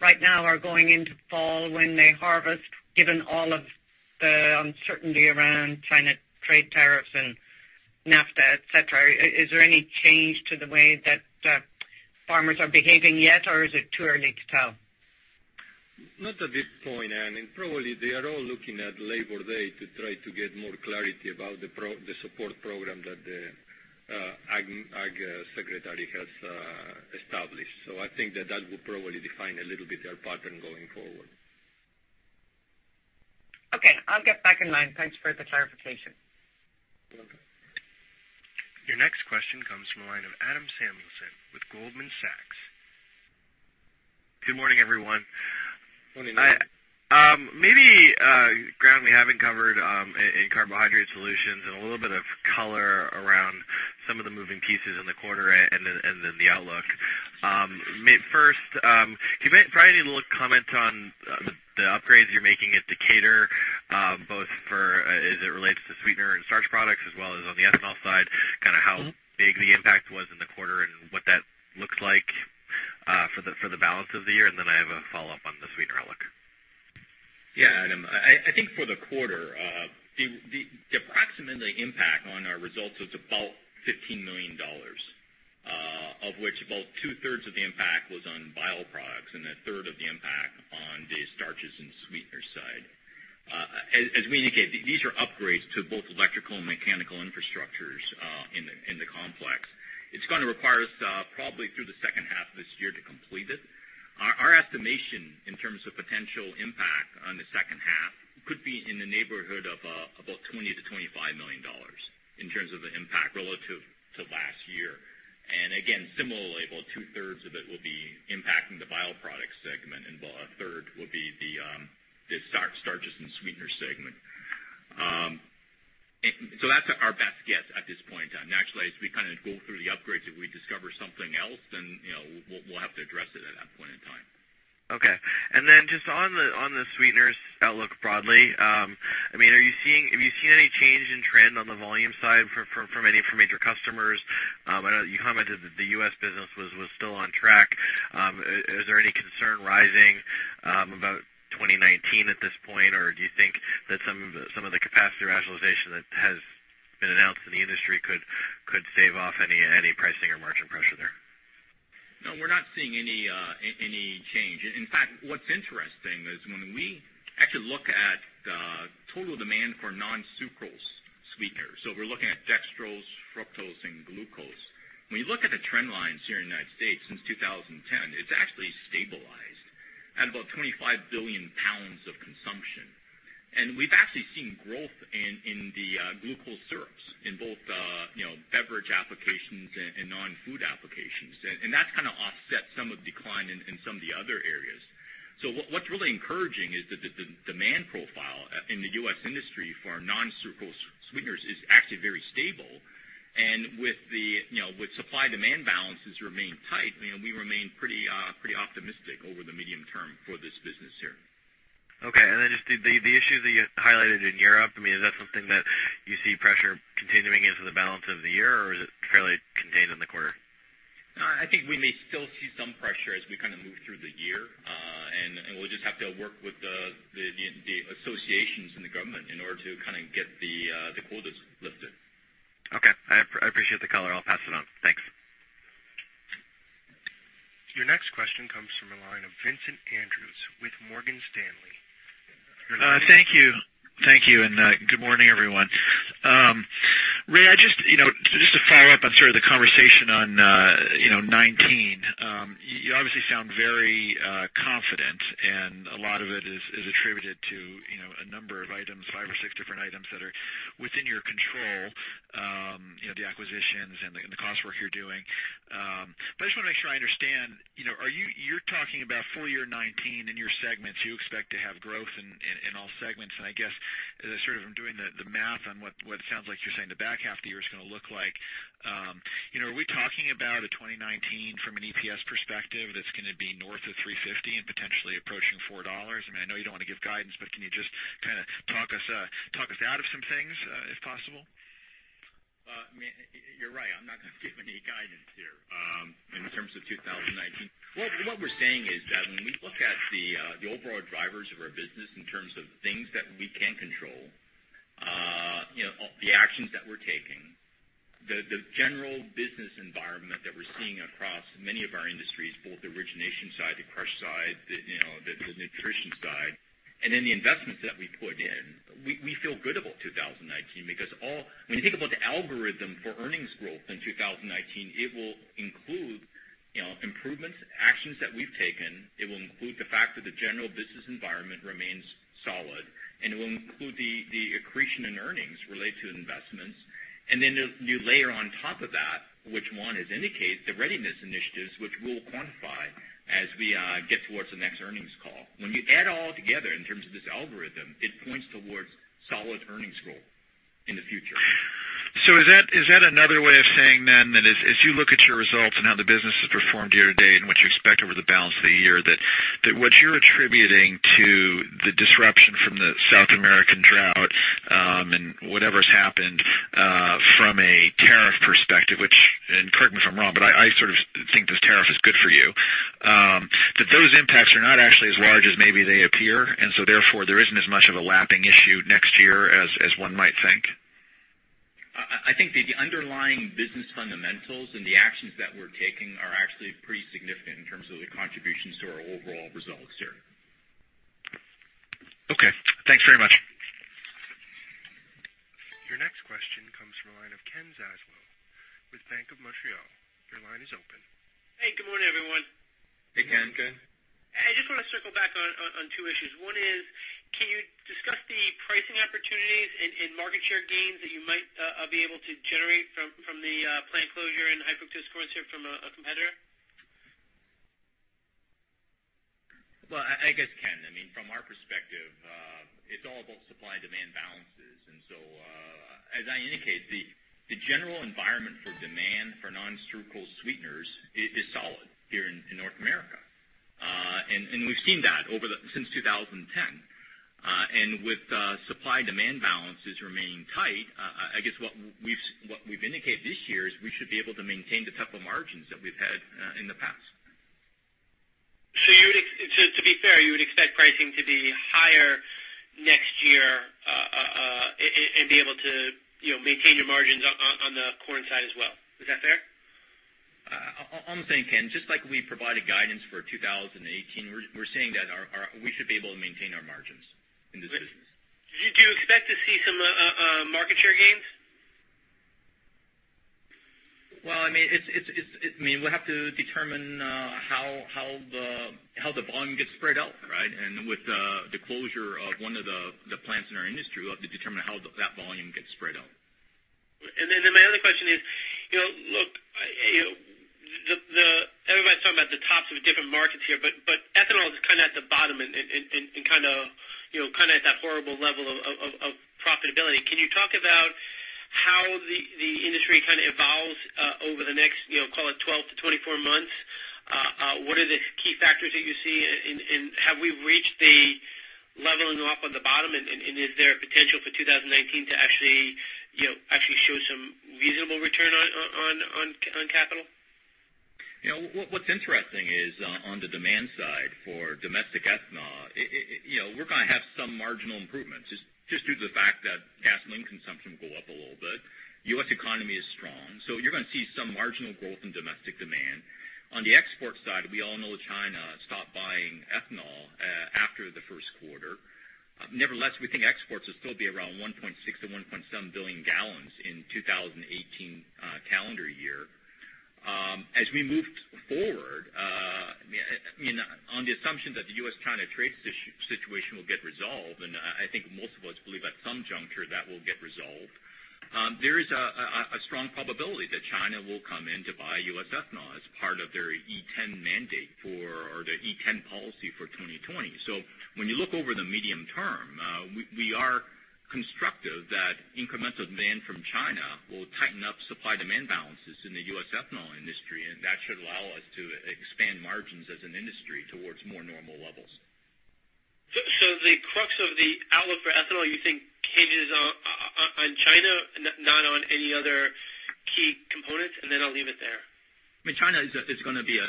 right now or going into fall when they harvest, given all of the uncertainty around China trade tariffs and NAFTA, et cetera? Is there any change to the way that farmers are behaving yet, or is it too early to tell? Not at this point, Ann. Probably they are all looking at Labor Day to try to get more clarity about the support program that Sonny Perdue has established. I think that that will probably define a little bit their pattern going forward. Okay. I'll get back in line. Thanks for the clarification. You're welcome. Your next question comes from the line of Adam Samuelson with Goldman Sachs. Good morning, everyone. Morning, Adam. Maybe ground we haven't covered in Carbohydrate Solutions and a little bit of color around some of the moving pieces in the quarter and then the outlook. First, if you provide any little comments on the upgrades you're making at Decatur, both for as it relates to sweetener and starch products, as well as on the NML side, how big the impact was in the quarter and what that looks like for the balance of the year? Then I have a follow-up on the sweetener outlook. Yeah, Adam. I think for the quarter, the approximately impact on our results was about $15 million, of which about two-thirds of the impact was on bioproducts and a third of the impact on the starches and sweeteners side. As we indicated, these are upgrades to both electrical and mechanical infrastructures in the complex. It's going to require us probably through the second half of this year to complete it. Our estimation, in terms of potential impact on the second half, could be in the neighborhood of about $20 million-$25 million, in terms of the impact relative to last year. Again, similarly, about two-thirds of it will be impacting the bioproduct segment and about a third will be the starches and sweetener segment. That's our best guess at this point in time. As we go through the upgrades, if we discover something else, then we'll have to address it at that point in time. Okay. Just on the sweeteners outlook broadly, have you seen any change in trend on the volume side from any of your major customers? I know that you commented that the U.S. business was still on track. Is there any concern rising about 2019 at this point, or do you think that some of the capacity rationalization that has been announced in the industry could stave off any pricing or margin pressure there? No, we're not seeing any change. In fact, what's interesting is when we actually look at the total demand for non-sucrose sweeteners, we're looking at dextrose, fructose, and glucose. When you look at the trend lines here in the U.S. since 2010, it's actually stabilized at about 25 billion pounds of consumption. We've actually seen growth in the glucose syrups in both beverage applications and non-food applications. That kind of offsets some of the decline in some of the other areas. What's really encouraging is that the demand profile in the U.S. industry for our non-sucrose sweeteners is actually very stable. With supply-demand balances remaining tight, we remain pretty optimistic over the medium term for this business here. Okay. Just the issue that you highlighted in Europe, is that something that you see pressure continuing into the balance of the year, or is it fairly contained in the quarter? No, I think we may still see some pressure as we move through the year. We'll just have to work with the associations and the government in order to get the quotas lifted. Okay. I appreciate the color. I'll pass it on. Thanks. Your next question comes from the line of Vincent Andrews with Morgan Stanley. Your line is- Thank you. Thank you, and good morning, everyone. Ray, just to follow up on sort of the conversation on 2019. You obviously sound very confident, and a lot of it is attributed to a number of items, five or six different items that are within your control, the acquisitions and the cost work you're doing. I just want to make sure I understand. You're talking about full year 2019 in your segments, you expect to have growth in all segments. I guess, as I sort of am doing the math on what it sounds like you're saying the back half of the year is going to look like, are we talking about a 2019, from an EPS perspective, that's going to be north of $3.50 and potentially approaching $4? I know you don't want to give guidance, can you just talk us out of some things, if possible? You're right. I'm not going to give any guidance here in terms of 2019. What we're saying is that when we look at the overall drivers of our business in terms of things that we can control, the actions that we're taking, the general business environment that we're seeing across many of our industries, both the origination side, the crush side, the nutrition side, and then the investments that we put in, we feel good about 2019. When you think about the algorithm for earnings growth in 2019, it will include improvements, actions that we've taken. It will include the fact that the general business environment remains solid, it will include the accretion in earnings related to investments. You layer on top of that, which Juan has indicated, the Readiness initiatives, which we'll quantify as we get towards the next earnings call. When you add it all together in terms of this algorithm, it points towards solid earnings growth in the future. Is that another way of saying, then, that as you look at your results and how the business has performed year to date and what you expect over the balance of the year, that what you're attributing to the disruption from the South American drought, and whatever's happened from a tariff perspective, which, and correct me if I'm wrong, but I sort of think this tariff is good for you, that those impacts are not actually as large as maybe they appear, therefore, there isn't as much of a lapping issue next year as one might think? I think that the underlying business fundamentals and the actions that we're taking are actually pretty significant in terms of the contributions to our overall results here. Okay. Thanks very much. Your next question comes from the line of Ken Zaslow with Bank of Montreal. Your line is open. Hey, good morning, everyone. Hey, Ken. Hey, Ken. I just want to circle back on two issues. One is, can you discuss the pricing opportunities and market share gains that you might be able to generate from the plant closure in high fructose corn syrup from a competitor? Well, I guess, Ken, from our perspective, it's all about supply and demand balances. As I indicated, the general environment for demand for non-sucral sweeteners is solid here in North America. We've seen that since 2010. With supply and demand balances remaining tight, I guess what we've indicated this year is we should be able to maintain the type of margins that we've had in the past. To be fair, you would expect pricing to be higher next year, and be able to maintain your margins on the corn side as well. Is that fair? I'm saying, Ken, just like we provided guidance for 2018, we're saying that we should be able to maintain our margins in this business. Do you expect to see some market share gains? We'll have to determine how the volume gets spread out. With the closure of one of the plants in our industry, we'll have to determine how that volume gets spread out. My other question is, everybody's talking about the tops of different markets here, but ethanol is kind of at the bottom and at that horrible level of profitability. Can you talk about how the industry evolves over the next, call it 12 to 24 months? What are the key factors that you see? Have we reached the leveling off of the bottom, and is there a potential for 2019 to actually show some reasonable return on capital? What's interesting is, on the demand side for domestic ethanol, we're going to have some marginal improvements, just due to the fact that gasoline consumption will go up a little bit. U.S. economy is strong. You're going to see some marginal growth in domestic demand. On the export side, we all know that China stopped buying ethanol after the first quarter. Nevertheless, we think exports will still be around 1.6 billion gallons-1.7 billion gallons in 2018 calendar year. As we move forward, on the assumption that the U.S.-China trade situation will get resolved, and I think most of us believe at some juncture that will get resolved, there is a strong probability that China will come in to buy U.S. ethanol as part of their E10 mandate or their E10 policy for 2020. When you look over the medium term, we are constructive that incremental demand from China will tighten up supply-demand balances in the U.S. ethanol industry, and that should allow us to expand margins as an industry towards more normal levels. The crux of the outlook for ethanol, you think hinges on China, not on any other key components? I'll leave it there. China is going to be an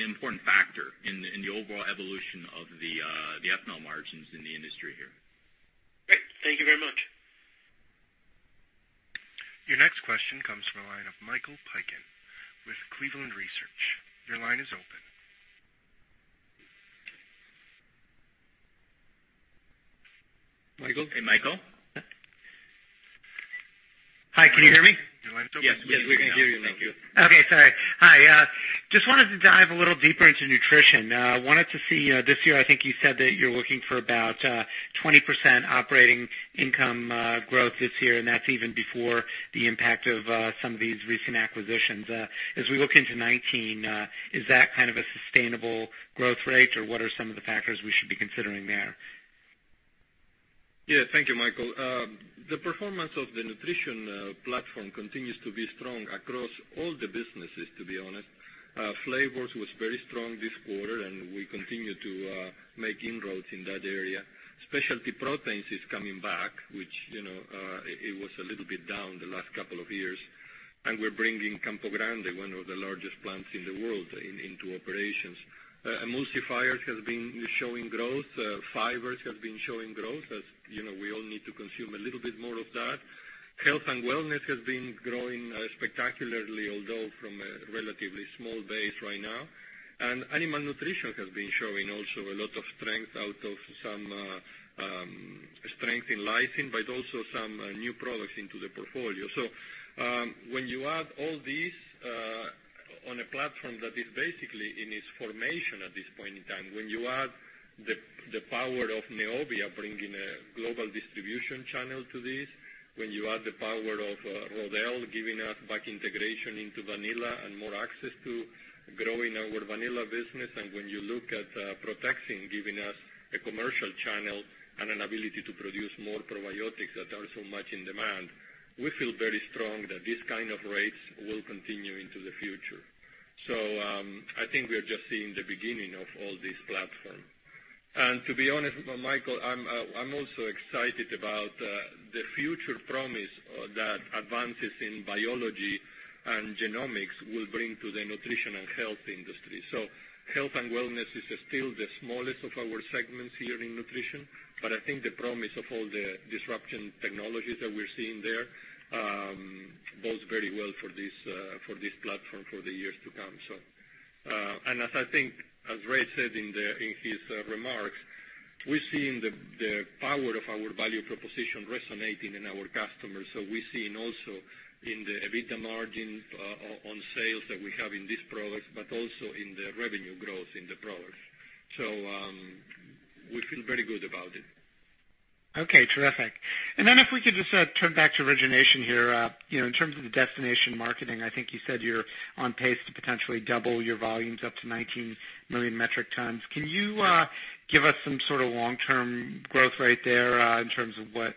important factor in the overall evolution of the ethanol margins in the industry here. Great. Thank you very much. Your next question comes from the line of Michael Piken with Cleveland Research. Your line is open. Michael? Hey, Michael. Hi, can you hear me? Yes. We can hear you now. Okay. Sorry. Hi. Just wanted to dive a little deeper into nutrition. Wanted to see, this year, I think you said that you're looking for about 20% operating income growth this year, and that's even before the impact of some of these recent acquisitions. As we look into 2019, is that kind of a sustainable growth rate, or what are some of the factors we should be considering there? Yeah. Thank you, Michael Piken. The performance of the nutrition platform continues to be strong across all the businesses, to be honest. Flavors was very strong this quarter, and we continue to make inroads in that area. Specialty proteins is coming back, which it was a little bit down the last couple of years, and we're bringing Campo Grande, one of the largest plants in the world, into operations. Emulsifiers has been showing growth. Fibers have been showing growth, as we all need to consume a little bit more of that. Health & Wellness has been growing spectacularly, although from a relatively small base right now. Animal nutrition has been showing also a lot of strength out of some strength in lysine, but also some new products into the portfolio. When you add all this on a platform that is basically in its formation at this point in time, when you add the power of Neovia bringing a global distribution channel to this, when you add the power of Rodelle giving us back integration into vanilla and more access to growing our vanilla business, and when you look at Protexin giving us a commercial channel and an ability to produce more probiotics that are so much in demand, we feel very strong that these kind of rates will continue into the future. I think we are just seeing the beginning of all this platform. To be honest, Michael, I am also excited about the future promise that advances in biology and genomics will bring to the nutrition and health industry. Health & Wellness is still the smallest of our segments here in Nutrition, but I think the promise of all the disruption technologies that we're seeing there bodes very well for this platform for the years to come. As I think as Ray said in his remarks, we're seeing the power of our value proposition resonating in our customers. We're seeing also in the EBITDA margin on sales that we have in these products, but also in the revenue growth in the products. We feel very good about it. Okay, terrific. If we could just turn back to Origination here. In terms of the Destination Marketing, I think you said you're on pace to potentially double your volumes up to 19 million metric tons. Can you give us some sort of long-term growth rate there in terms of what,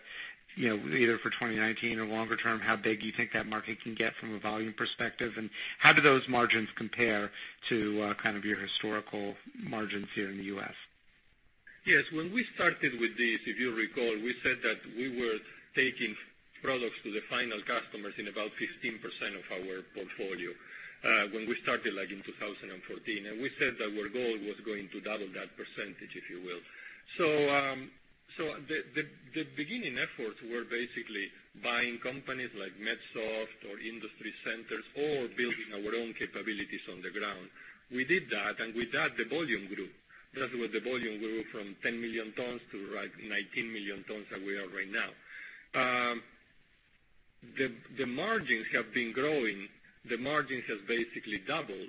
either for 2019 or longer term, how big you think that market can get from a volume perspective, and how do those margins compare to kind of your historical margins here in the U.S.? Yes. When we started with this, if you recall, we said that we were taking products to the final customers in about 15% of our portfolio, when we started like in 2014. We said that our goal was going to double that percentage, if you will. The beginning efforts were basically buying companies like MedSoft or industry centers or building our own capabilities on the ground. We did that, and with that, the volume grew. That's why the volume grew from 10 million tons to like 19 million tons that we are right now. The margins have been growing. The margins have basically doubled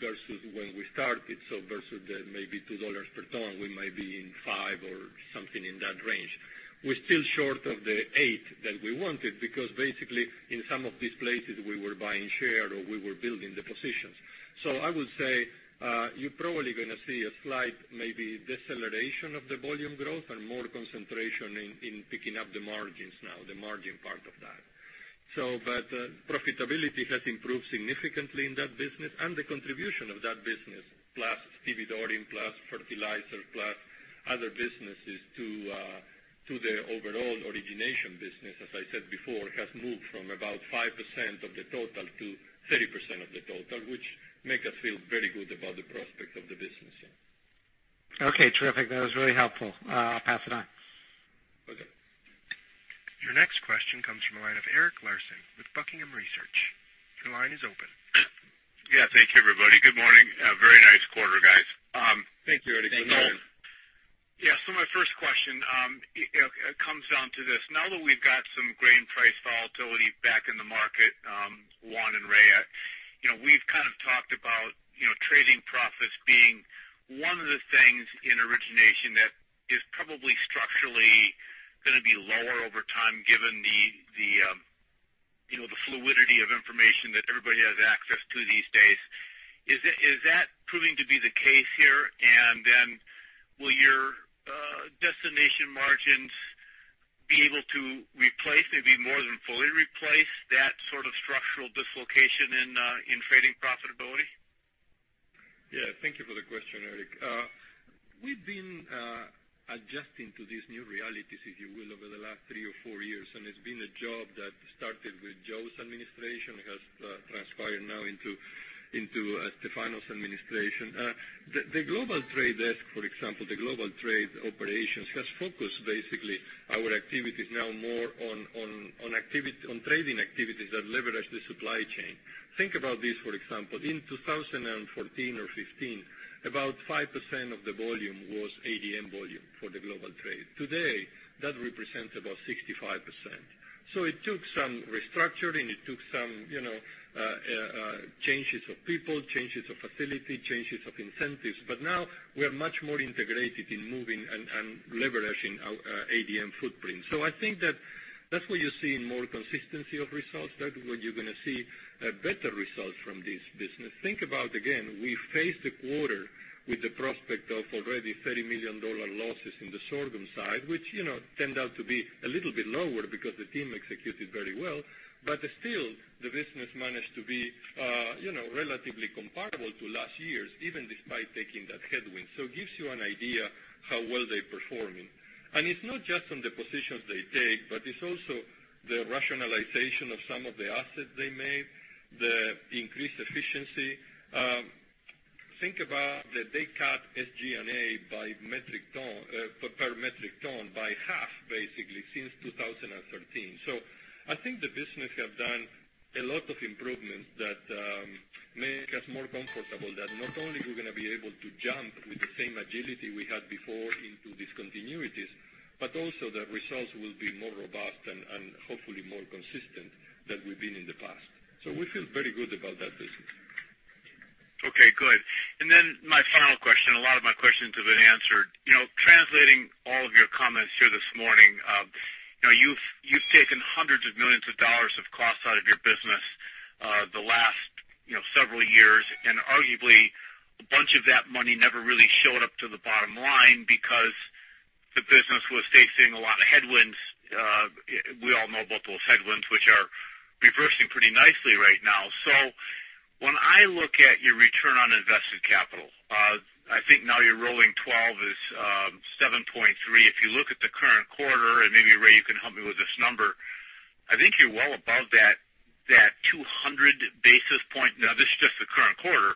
versus when we started. Versus maybe $2 per ton, we might be in $5 or something in that range. We're still short of the eight that we wanted because basically in some of these places we were buying share or we were building the positions. I would say, you're probably gonna see a slight, maybe deceleration of the volume growth and more concentration in picking up the margins now, the margin part of that. Profitability has improved significantly in that business and the contribution of that business, plus stevedoring, plus fertilizer, plus other businesses to the overall origination business, as I said before, has moved from about 5% of the total to 30% of the total, which make us feel very good about the prospect of the business. Okay, terrific. That was really helpful. I'll pass it on. Okay. Your next question comes from the line of Eric Larson with Buckingham Research. Your line is open. Yeah. Thank you everybody. Good morning. A very nice quarter, guys. Thank you, Eric. Good morning. Thank you. My first question comes down to this. Now that we've got some grain price volatility back in the market, Juan and Ray, we've kind of talked about trading profits being one of the things in Origination that is probably structurally going to be lower over time given the fluidity of information that everybody has access to these days. Is that proving to be the case here? Will your destination margins be able to replace, maybe more than fully replace, that sort of structural dislocation in trading profitability? Thank you for the question, Eric. We've been adjusting to these new realities, if you will, over the last three or four years, and it's been a job that started with Joe's administration, has transpired now into Stefano's administration. The global trade desk, for example, the global trade operations has focused basically our activities now more on trading activities that leverage the supply chain. Think about this, for example. In 2014 or 2015, about 5% of the volume was ADM volume for the global trade. Today, that represents about 65%. It took some restructuring, it took some changes of people, changes of facility, changes of incentives. Now we are much more integrated in moving and leveraging our ADM footprint. I think that's where you're seeing more consistency of results. That's where you're going to see better results from this business. Think about, again, we faced a quarter with the prospect of already $30 million losses in the sorghum side, which turned out to be a little bit lower because the team executed very well. Still, the business managed to be relatively comparable to last year's, even despite taking that headwind. It gives you an idea how well they're performing. It's not just on the positions they take, but it's also the rationalization of some of the assets they made, the increased efficiency. Think about that they cut SG&A per metric ton by half, basically, since 2013. I think the business have done a lot of improvements that make us more comfortable that not only we're going to be able to jump with the same agility we had before into discontinuities, but also that results will be more robust and hopefully more consistent than we've been in the past. We feel very good about that business. Okay, good. Then my final question, a lot of my questions have been answered. Translating all of your comments here this morning, you've taken hundreds of millions of dollars of costs out of your business the last several years, arguably, a bunch of that money never really showed up to the bottom line because the business was facing a lot of headwinds. We all know about those headwinds, which are reversing pretty nicely right now. When I look at your return on invested capital, I think now your rolling 12 is 7.3. If you look at the current quarter, and maybe, Ray, you can help me with this number, I think you're well above that 200 basis point. Now, this is just the current quarter,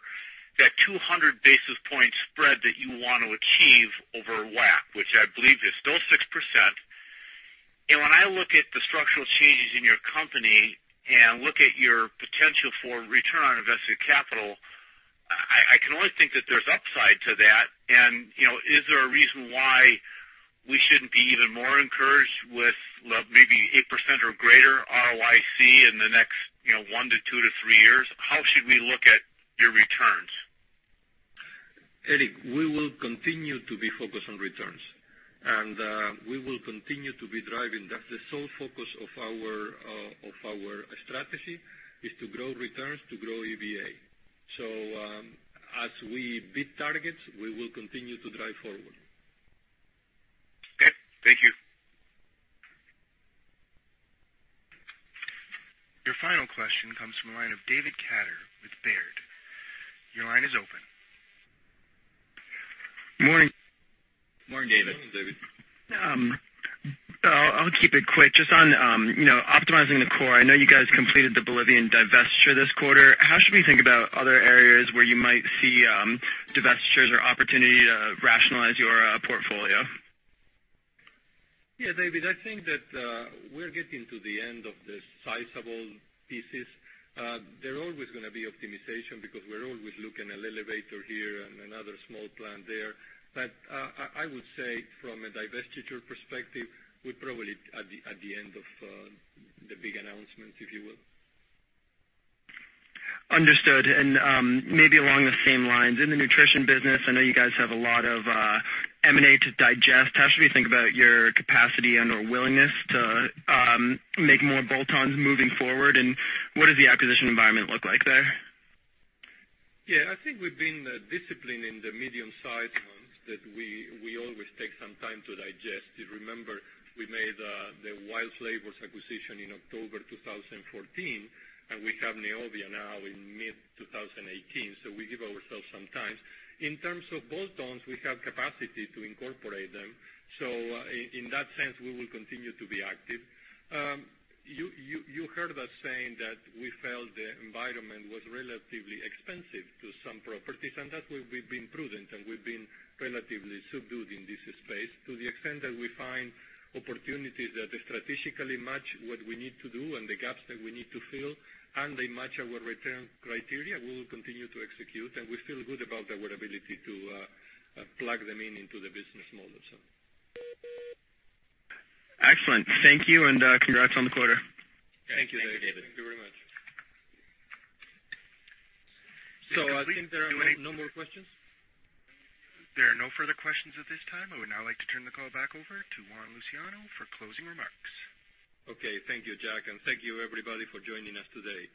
that 200 basis point spread that you want to achieve over WACC, which I believe is still 6%. When I look at the structural changes in your company and look at your potential for return on invested capital, I can only think that there's upside to that. Is there a reason why we shouldn't be even more encouraged with maybe 8% or greater ROIC in the next one to two to three years? How should we look at your returns? Eric, we will continue to be focused on returns. We will continue to be driving that. The sole focus of our strategy is to grow returns, to grow EVA. As we beat targets, we will continue to drive forward. Okay, thank you. Your final question comes from the line of David Katter with Baird. Your line is open. Morning. Morning, David. Morning, David. I'll keep it quick. On optimizing the core, I know you guys completed the Bolivian divestiture this quarter. How should we think about other areas where you might see divestitures or opportunity to rationalize your portfolio? David, I think that we're getting to the end of the sizable pieces. There are always going to be optimization because we're always looking at an elevator here and another small plant there. I would say from a divestiture perspective, we're probably at the end of the big announcements, if you will. Understood. Maybe along the same lines, in the Nutrition business, I know you guys have a lot of M&A to digest. How should we think about your capacity and/or willingness to make more bolt-ons moving forward? What does the acquisition environment look like there? Yeah, I think we've been disciplined in the medium-sized ones that we always take some time to digest. If you remember, we made the WILD Flavors acquisition in October 2014, and we have Neovia now in mid-2018, so we give ourselves some time. In terms of bolt-ons, we have capacity to incorporate them. In that sense, we will continue to be active. You heard us saying that we felt the environment was relatively expensive to some properties, and that way, we've been prudent, and we've been relatively subdued in this space. To the extent that we find opportunities that strategically match what we need to do and the gaps that we need to fill and they match our return criteria, we will continue to execute, and we feel good about our ability to plug them in into the business model. Excellent. Thank you, and congrats on the quarter. Thank you, David. Thank you very much. I think there are no more questions? There are no further questions at this time. I would now like to turn the call back over to Juan Luciano for closing remarks. Okay. Thank you, Jack, and thank you, everybody, for joining us today.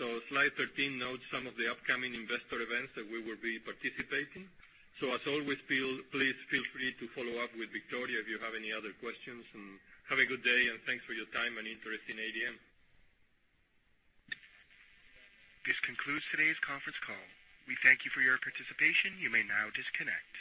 Slide 13 notes some of the upcoming investor events that we will be participating. As always, please feel free to follow up with Victoria if you have any other questions, and have a good day, and thanks for your time and interest in ADM. This concludes today's conference call. We thank you for your participation. You may now disconnect.